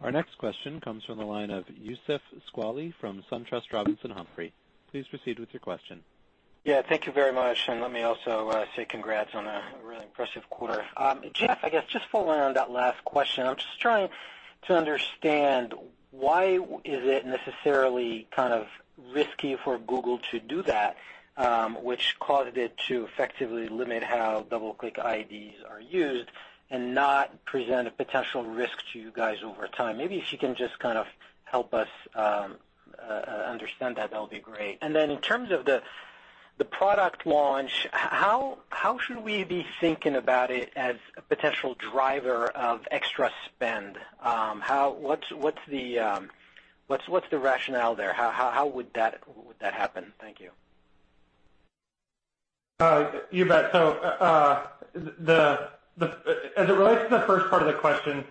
Our next question comes from the line of Youssef Squali from SunTrust Robinson Humphrey. Please proceed with your question. Thank you very much, let me also say congrats on a really impressive quarter. Jeff, I guess just following on that last question, I'm just trying to understand why is it necessarily kind of risky for Google to do that, which caused it to effectively limit how DoubleClick IDs are used and not present a potential risk to you guys over time? Maybe if you can just kind of help us understand that would be great. Then in terms of the product launch, how should we be thinking about it as a potential driver of extra spend? What's the rationale there? How would that happen? Thank you. You bet. As it relates to the first part of the question,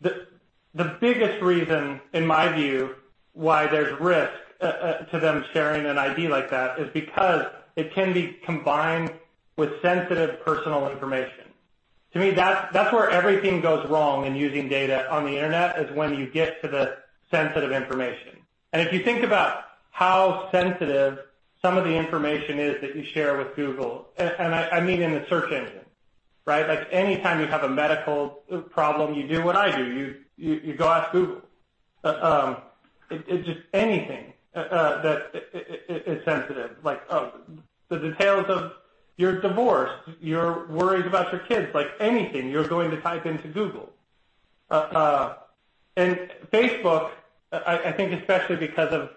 the biggest reason, in my view, why there's risk to them sharing an ID like that is because it can be combined with sensitive personal information. To me, that's where everything goes wrong in using data on the Internet, is when you get to the sensitive information. If you think about how sensitive some of the information is that you share with Google, I mean in the search engine, right? Like anytime you have a medical problem, you do what I do. You go ask Google. Just anything that is sensitive, like the details of your divorce, your worries about your kids, like anything you're going to type into Google. Facebook, I think especially because of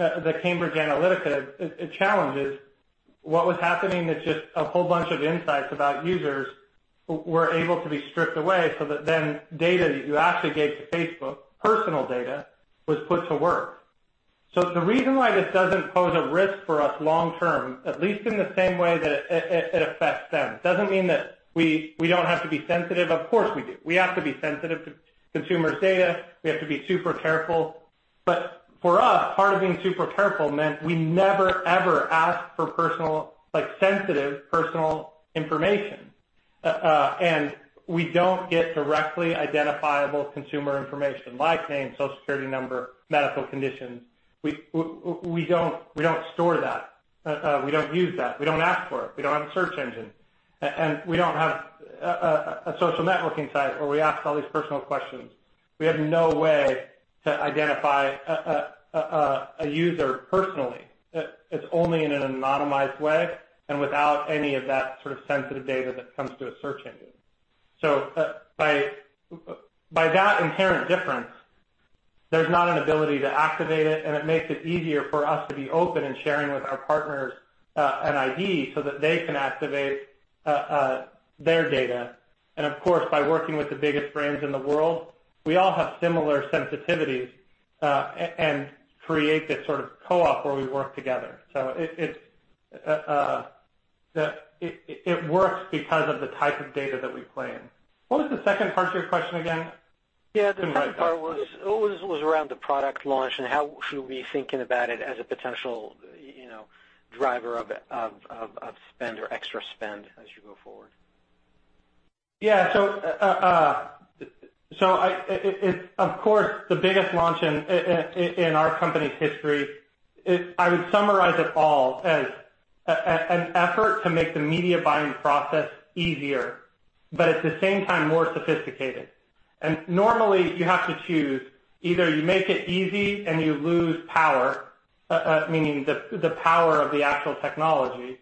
the Cambridge Analytica challenges, what was happening is just a whole bunch of insights about users were able to be stripped away so that then data that you actually gave to Facebook, personal data, was put to work. The reason why this doesn't pose a risk for us long term, at least in the same way that it affects them. It doesn't mean that we don't have to be sensitive. Of course we do. We have to be sensitive to consumers' data. We have to be super careful. For us, part of being super careful meant we never ever ask for sensitive personal information. We don't get directly identifiable consumer information, like name, Social Security number, medical conditions. We don't store that. We don't use that. We don't ask for it. We don't have a search engine, we don't have a social networking site where we ask all these personal questions. We have no way to identify a user personally. It's only in an anonymized way and without any of that sort of sensitive data that comes through a search engine. By that inherent difference, there's not an ability to activate it makes it easier for us to be open in sharing with our partners an ID so that they can activate their data. Of course, by working with the biggest brands in the world, we all have similar sensitivities, create this sort of co-op where we work together. It works because of the type of data that we play in. What was the second part to your question again? Yeah. The second part was around the product launch how should we be thinking about it as a potential driver of spend or extra spend as you go forward? It's of course, the biggest launch in our company's history. I would summarize it all as an effort to make the media buying process easier, but at the same time, more sophisticated. Normally, you have to choose, either you make it easy and you lose power, meaning the power of the actual technology,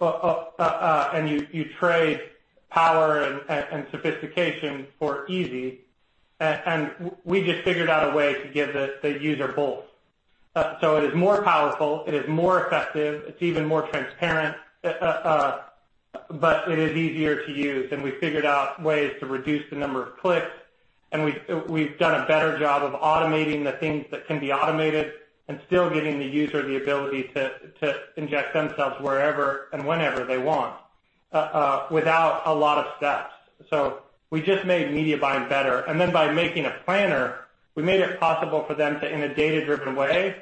and you trade power and sophistication for easy. We just figured out a way to give the user both. It is more powerful, it is more effective, it's even more transparent, but it is easier to use. We figured out ways to reduce the number of clicks, and we've done a better job of automating the things that can be automated and still giving the user the ability to inject themselves wherever and whenever they want, without a lot of steps. We just made media buying better. By making a Planner, we made it possible for them to, in a data-driven way,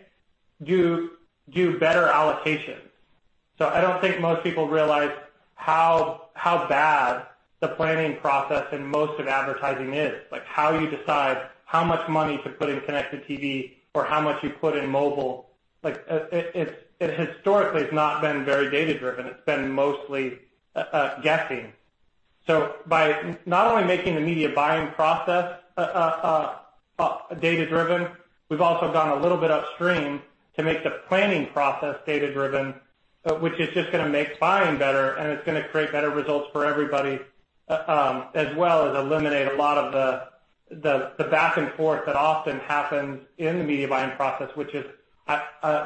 do better allocations. I don't think most people realize how bad the planning process in most of advertising is. How you decide how much money to put in connected TV or how much you put in mobile. It historically has not been very data-driven. It's been mostly guessing. By not only making the media buying process data-driven, we've also gone a little bit upstream to make the planning process data-driven, which is just going to make buying better, and it's going to create better results for everybody, as well as eliminate a lot of the back and forth that often happens in the media buying process, which is,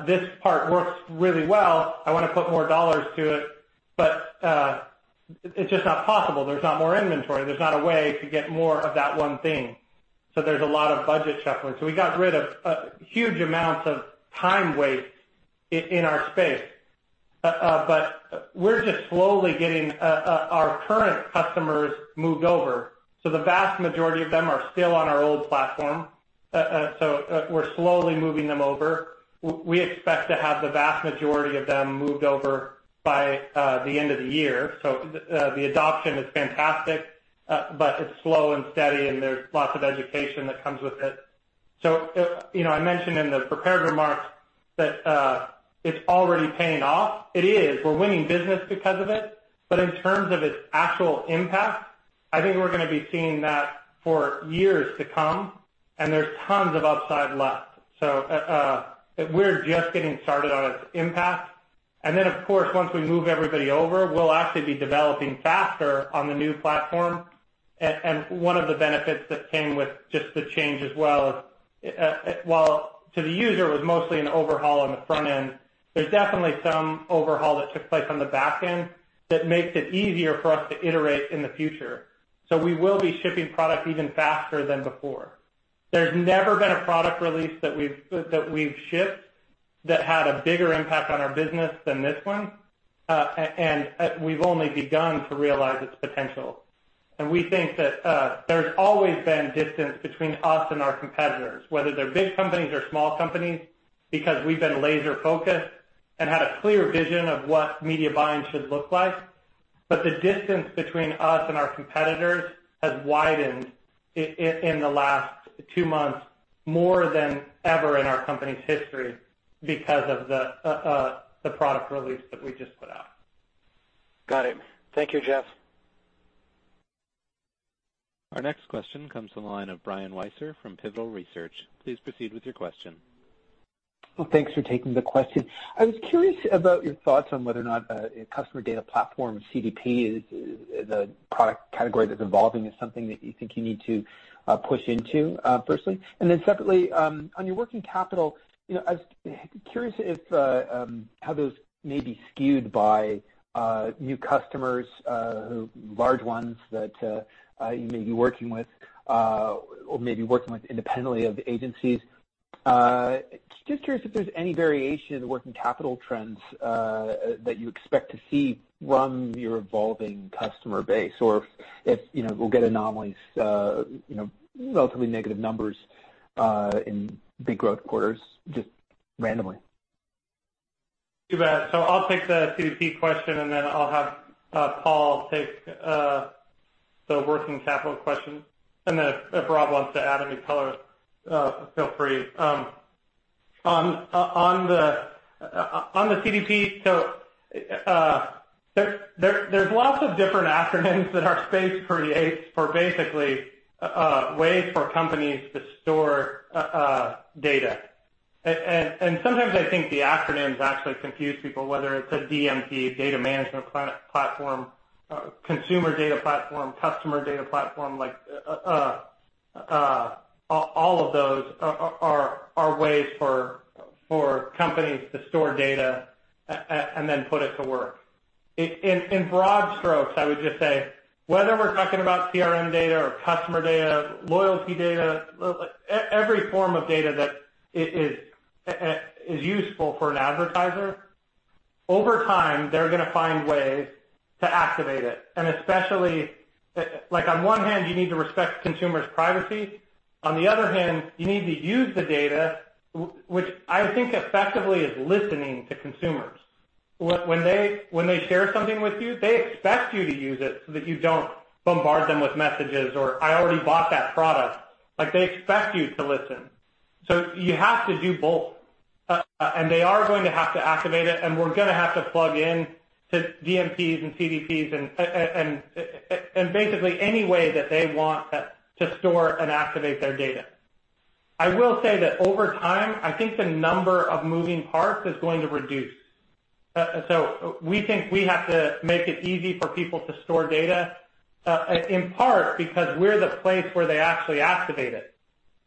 this part works really well, I want to put more dollars to it, but it's just not possible. There's not more inventory. There's not a way to get more of that one thing. There's a lot of budget shuffling. We got rid of huge amounts of time waste in our space. We're just slowly getting our current customers moved over. The vast majority of them are still on our old platform. We're slowly moving them over. We expect to have the vast majority of them moved over by the end of the year. The adoption is fantastic, but it's slow and steady, and there's lots of education that comes with it. I mentioned in the prepared remarks that it's already paying off. It is. We're winning business because of it. In terms of its actual impact, I think we're going to be seeing that for years to come, and there's tons of upside left. We're just getting started on its impact. Of course, once we move everybody over, we'll actually be developing faster on the new platform. One of the benefits that came with just the change as well, while to the user it was mostly an overhaul on the front end, there's definitely some overhaul that took place on the back end that makes it easier for us to iterate in the future. We will be shipping product even faster than before. There's never been a product release that we've shipped that had a bigger impact on our business than this one. We've only begun to realize its potential. We think that there's always been distance between us and our competitors, whether they're big companies or small companies, because we've been laser-focused and had a clear vision of what media buying should look like. The distance between us and our competitors has widened in the last two months more than ever in our company's history because of the product release that we just put out. Got it. Thank you, Jeff. Our next question comes from the line of Brian Wieser from Pivotal Research. Please proceed with your question. Thanks for taking the question. I was curious about your thoughts on whether or not a customer data platform, CDP, the product category that's evolving, is something that you think you need to push into, firstly. Secondly, on your working capital, I was curious how those may be skewed by new customers, large ones that you may be working with, or maybe working with independently of agencies. Just curious if there's any variation in working capital trends that you expect to see from your evolving customer base, or if we'll get anomalies, relatively negative numbers, in big growth quarters, just randomly. Too bad. I'll take the CDP question, and then I'll have Paul Ross take the working capital question, and then if Rob Perdue wants to add any color, feel free. On the CDP, there's lots of different acronyms that our space creates for basically ways for companies to store data. Sometimes I think the acronyms actually confuse people, whether it's a DMP, data management platform, consumer data platform, customer data platform. All of those are ways for companies to store data and then put it to work. In broad strokes, I would just say, whether we're talking about CRM data or customer data, loyalty data, every form of data that is useful for an advertiser, over time, they're going to find ways to activate it. Especially, on one hand, you need to respect consumers' privacy. On the other hand, you need to use the data, which I think effectively is listening to consumers. When they share something with you, they expect you to use it so that you don't bombard them with messages or, "I already bought that product." They expect you to listen. You have to do both. They are going to have to activate it, and we're going to have to plug in to DMPs and CDPs and basically any way that they want to store and activate their data. I will say that over time, I think the number of moving parts is going to reduce. We think we have to make it easy for people to store data, in part because we're the place where they actually activate it.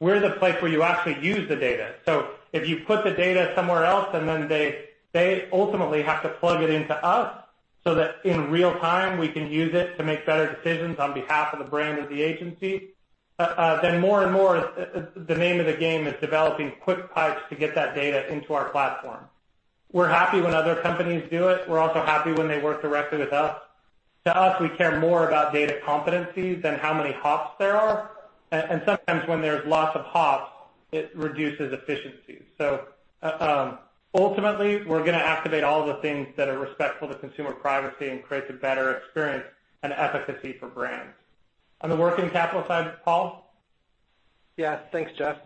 We're the place where you actually use the data. If you put the data somewhere else, and then they ultimately have to plug it into us so that in real-time, we can use it to make better decisions on behalf of the brand or the agency. More and more, the name of the game is developing quick pipes to get that data into our platform. We're happy when other companies do it. We're also happy when they work directly with us. To us, we care more about data competencies than how many hops there are. Sometimes when there's lots of hops, it reduces efficiency. Ultimately, we're going to activate all the things that are respectful to consumer privacy and creates a better experience and efficacy for brands. On the working capital side, Paul? Yes. Thanks, Jeff.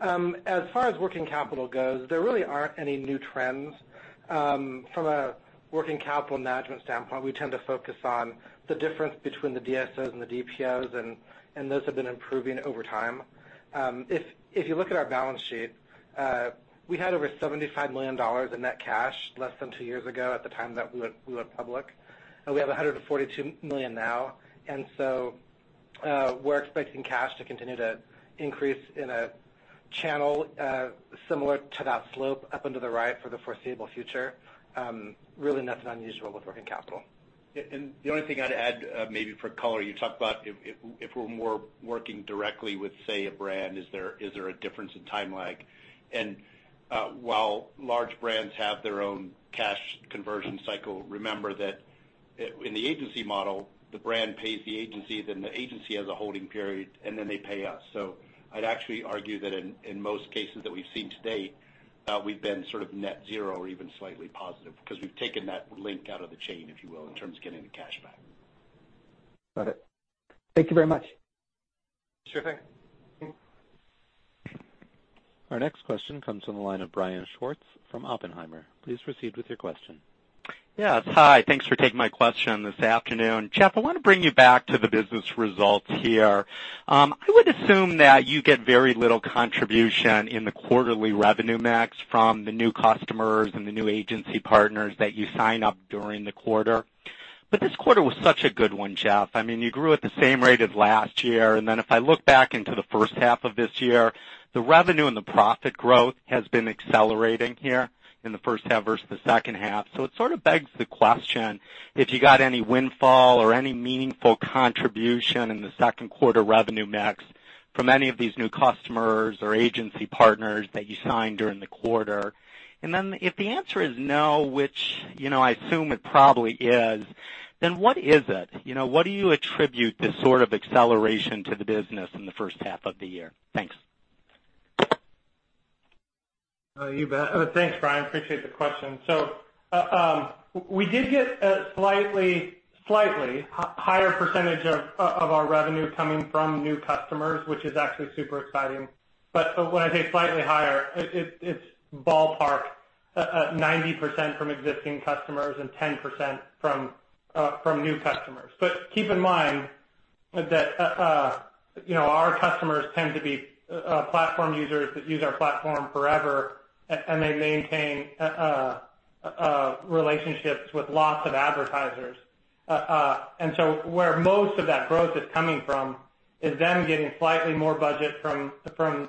As far as working capital goes, there really aren't any new trends. From a working capital management standpoint, we tend to focus on the difference between the DSOs and the DPOs, and those have been improving over time. If you look at our balance sheet, we had over $75 million in net cash less than two years ago at the time that we went public. We have $142 million now. We're expecting cash to continue to increase in a channel similar to that slope up into the right for the foreseeable future. Really nothing unusual with working capital. The only thing I'd add, maybe for color, you talked about if we're more working directly with, say, a brand, is there a difference in time lag? While large brands have their own cash conversion cycle, remember that in the agency model, the brand pays the agency, then the agency has a holding period, and then they pay us. I'd actually argue that in most cases that we've seen to date, we've been sort of net zero or even slightly positive because we've taken that link out of the chain, if you will, in terms of getting the cash back. Got it. Thank you very much. Sure thing. Our next question comes from the line of Brian Schwartz from Oppenheimer. Please proceed with your question. Yes. Hi. Thanks for taking my question this afternoon. Jeff, I want to bring you back to the business results here. I would assume that you get very little contribution in the quarterly revenue mix from the new customers and the new agency partners that you sign up during the quarter. This quarter was such a good one, Jeff. I mean, you grew at the same rate as last year. If I look back into the first half of this year, the revenue and the profit growth has been accelerating here in the first half versus the second half. It sort of begs the question if you got any windfall or any meaningful contribution in the second quarter revenue mix from any of these new customers or agency partners that you signed during the quarter. If the answer is no, which I assume it probably is, then what is it? What do you attribute this sort of acceleration to the business in the first half of the year? Thanks. You bet. Thanks, Brian. Appreciate the question. We did get a slightly higher percentage of our revenue coming from new customers, which is actually super exciting. When I say slightly higher, it's ballpark 90% from existing customers and 10% from new customers. Keep in mind that our customers tend to be platform users that use our platform forever, and they maintain relationships with lots of advertisers. Where most of that growth is coming from is them getting slightly more budget from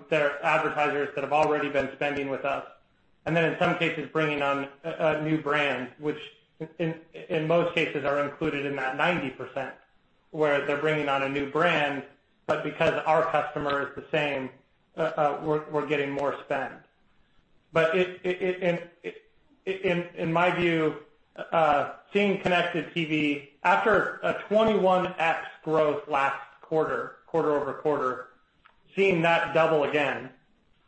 their advertisers that have already been spending with us. In some cases, bringing on a new brand, which in most cases are included in that 90% where they're bringing on a new brand. Because our customer is the same, we're getting more spend. In my view, seeing connected TV after a 21x growth last quarter-over-quarter seeing that double again,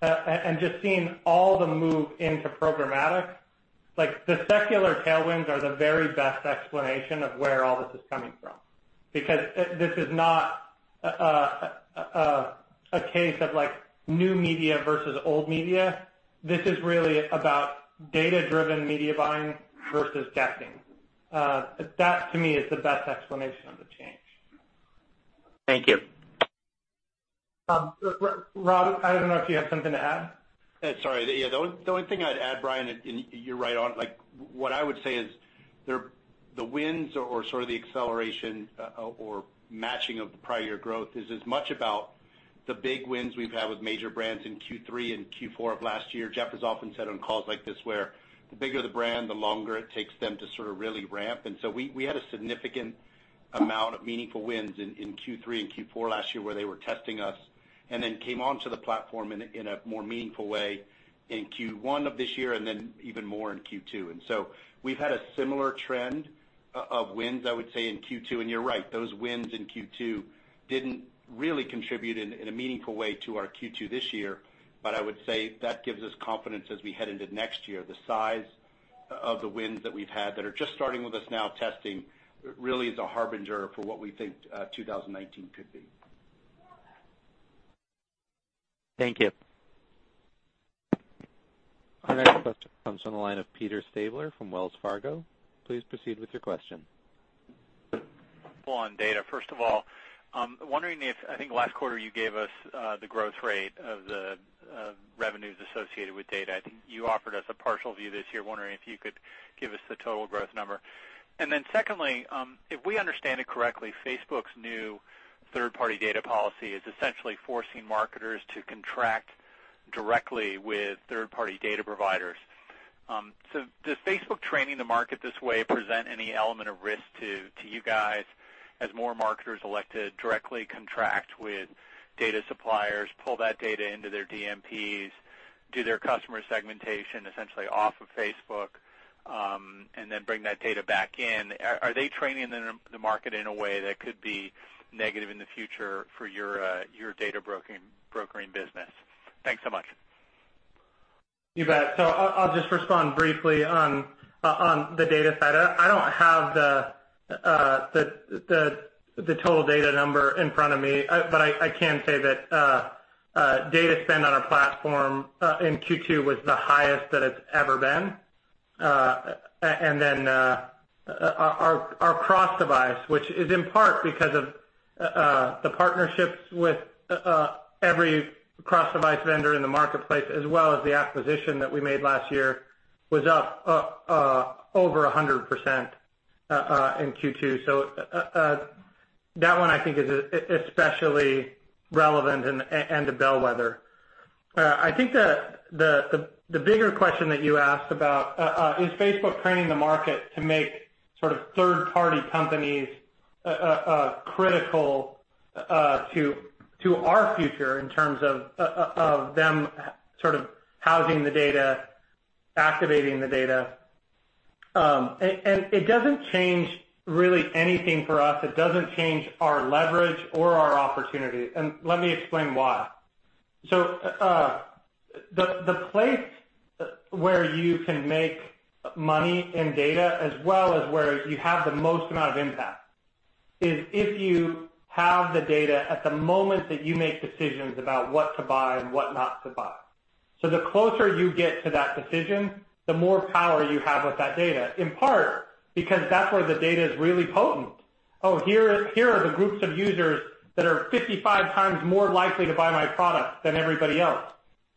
and just seeing all the move into programmatic, the secular tailwinds are the very best explanation of where all this is coming from, because this is not a case of new media versus old media. This is really about data-driven media buying versus guessing. That, to me, is the best explanation of the change. Thank you. Rob, I don't know if you have something to add. Sorry. Yeah, the only thing I'd add, Brian, you're right on. What I would say is the winds or sort of the acceleration or matching of the prior growth is as much about the big wins we've had with major brands in Q3 and Q4 of last year. Jeff has often said on calls like this where the bigger the brand, the longer it takes them to sort of really ramp. We had a significant amount of meaningful wins in Q3 and Q4 last year where they were testing us, and then came onto the platform in a more meaningful way in Q1 of this year, and then even more in Q2. We've had a similar trend of wins, I would say, in Q2. You're right, those wins in Q2 didn't really contribute in a meaningful way to our Q2 this year. I would say that gives us confidence as we head into next year. The size of the wins that we've had that are just starting with us now testing really is a harbinger for what we think 2019 could be. Thank you. Our next question comes from the line of Peter Stabler from Wells Fargo. Please proceed with your question. On data, first of all, wondering if, I think last quarter you gave us the growth rate of the revenues associated with data. I think you offered us a partial view this year. Wondering if you could give us the total growth number. Secondly, if we understand it correctly, Facebook's new third-party data policy is essentially forcing marketers to contract directly with third-party data providers. Does Facebook training the market this way present any element of risk to you guys as more marketers elect to directly contract with data suppliers, pull that data into their DMPs, do their customer segmentation essentially off of Facebook, and then bring that data back in? Are they training the market in a way that could be negative in the future for your data brokering business? Thanks so much. You bet. I'll just respond briefly on the data side. I don't have the total data number in front of me, but I can say that data spend on our platform in Q2 was the highest that it's ever been. Our cross-device, which is in part because of the partnerships with every cross-device vendor in the marketplace, as well as the acquisition that we made last year, was up over 100% in Q2. That one, I think, is especially relevant and a bellwether. I think the bigger question that you asked about is Facebook training the market to make sort of third-party companies critical to our future in terms of them sort of housing the data, activating the data. It doesn't change really anything for us. It doesn't change our leverage or our opportunity, and let me explain why. The place where you can make money in data as well as where you have the most amount of impact is if you have the data at the moment that you make decisions about what to buy and what not to buy. The closer you get to that decision, the more power you have with that data, in part because that's where the data is really potent. Here are the groups of users that are 55 times more likely to buy my product than everybody else.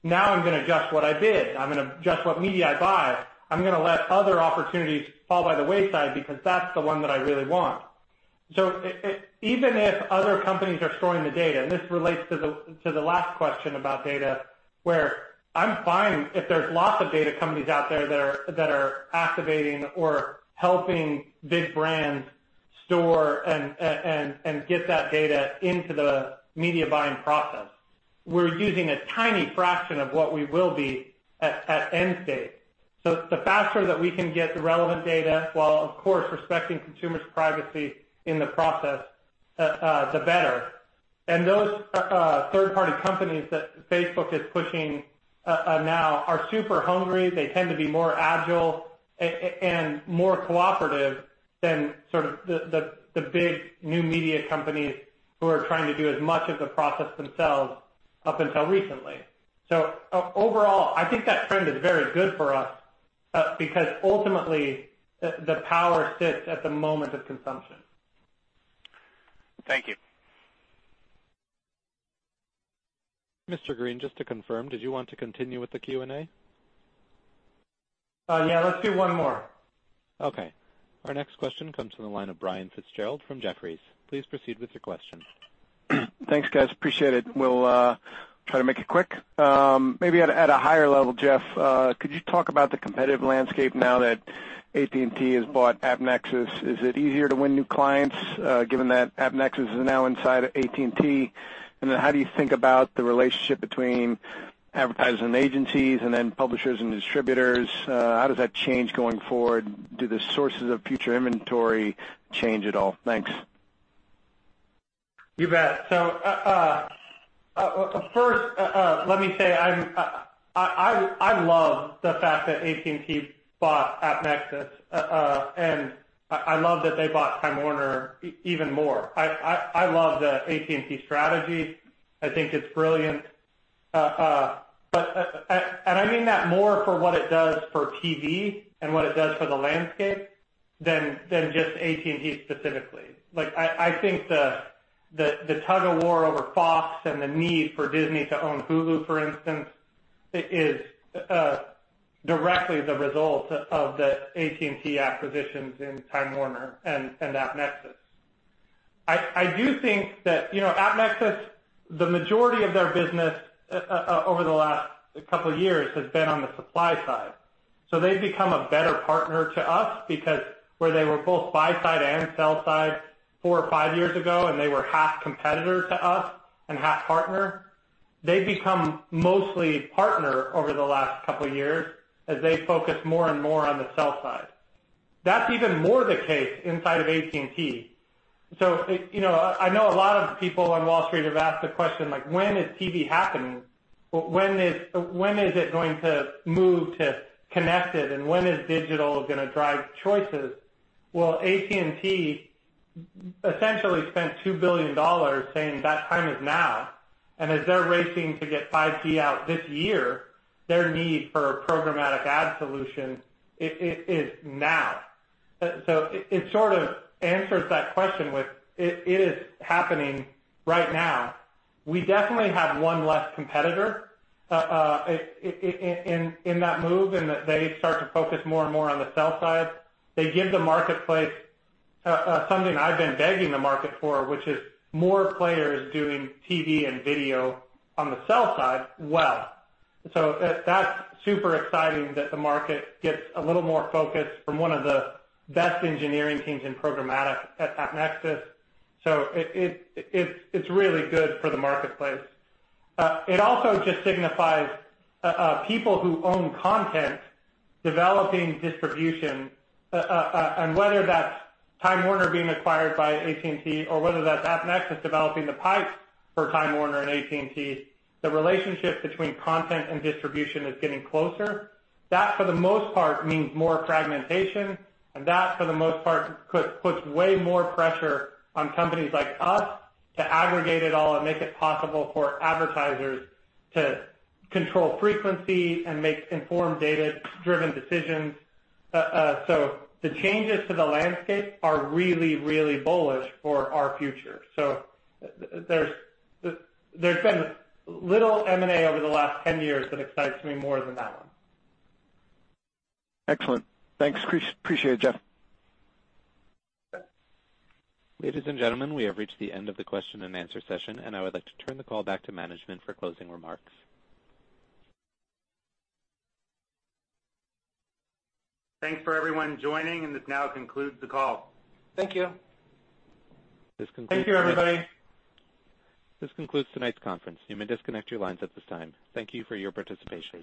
I'm going to adjust what I bid. I'm going to adjust what media I buy. I'm going to let other opportunities fall by the wayside because that's the one that I really want. Even if other companies are storing the data, and this relates to the last question about data, where I'm fine if there's lots of data companies out there that are activating or helping big brands store and get that data into the media buying process. We're using a tiny fraction of what we will be at end state. The faster that we can get the relevant data, while of course respecting consumers' privacy in the process, the better. Those third-party companies that Facebook is pushing now are super hungry. They tend to be more agile and more cooperative than sort of the big new media companies who are trying to do as much of the process themselves up until recently. Overall, I think that trend is very good for us because ultimately, the power sits at the moment of consumption. Thank you. Mr. Green, just to confirm, did you want to continue with the Q&A? Yeah, let's do one more. Okay. Our next question comes from the line of Brian Fitzgerald from Jefferies. Please proceed with your question. Thanks, guys. Appreciate it. We'll try to make it quick. Maybe at a higher level, Jeff, could you talk about the competitive landscape now that AT&T has bought AppNexus? Is it easier to win new clients given that AppNexus is now inside of AT&T? Then how do you think about the relationship between advertisers and agencies and then publishers and distributors, how does that change going forward? Do the sources of future inventory change at all? Thanks. You bet. First, let me say, I love the fact that AT&T bought AppNexus. I love that they bought Time Warner even more. I love the AT&T strategy. I think it's brilliant. I mean that more for what it does for TV and what it does for the landscape than just AT&T specifically. I think the tug-of-war over Fox and the need for Disney to own Hulu, for instance, is directly the result of the AT&T acquisitions in Time Warner and AppNexus. I do think that AppNexus, the majority of their business over the last couple of years has been on the supply side. They've become a better partner to us because where they were both buy side and sell side four or five years ago, and they were half competitor to us and half partner, they've become mostly partner over the last couple of years as they focus more and more on the sell side. That's even more the case inside of AT&T. I know a lot of people on Wall Street have asked the question, when is TV happening? When is it going to move to connected? When is digital going to drive choices? AT&T essentially spent $2 billion saying that time is now. As they're racing to get 5G out this year, their need for programmatic ad solutions is now. It sort of answers that question with, it is happening right now. We definitely have one less competitor in that move and that they start to focus more and more on the sell side. They give the marketplace something I've been begging the market for, which is more players doing TV and video on the sell side well. That's super exciting that the market gets a little more focus from one of the best engineering teams in programmatic at AppNexus. It's really good for the marketplace. It also just signifies people who own content developing distribution. Whether that's Time Warner being acquired by AT&T or whether that's AppNexus developing the pipes for Time Warner and AT&T, the relationship between content and distribution is getting closer. That, for the most part, means more fragmentation, that, for the most part, puts way more pressure on companies like us to aggregate it all and make it possible for advertisers to control frequency and make informed data-driven decisions. The changes to the landscape are really, really bullish for our future. There's been little M&A over the last 10 years that excites me more than that one. Excellent. Thanks. Appreciate it, Jeff. Ladies and gentlemen, we have reached the end of the question and answer session, and I would like to turn the call back to management for closing remarks. Thanks for everyone joining, and this now concludes the call. Thank you. Thank you, everybody. This concludes tonight's conference. You may disconnect your lines at this time. Thank you for your participation.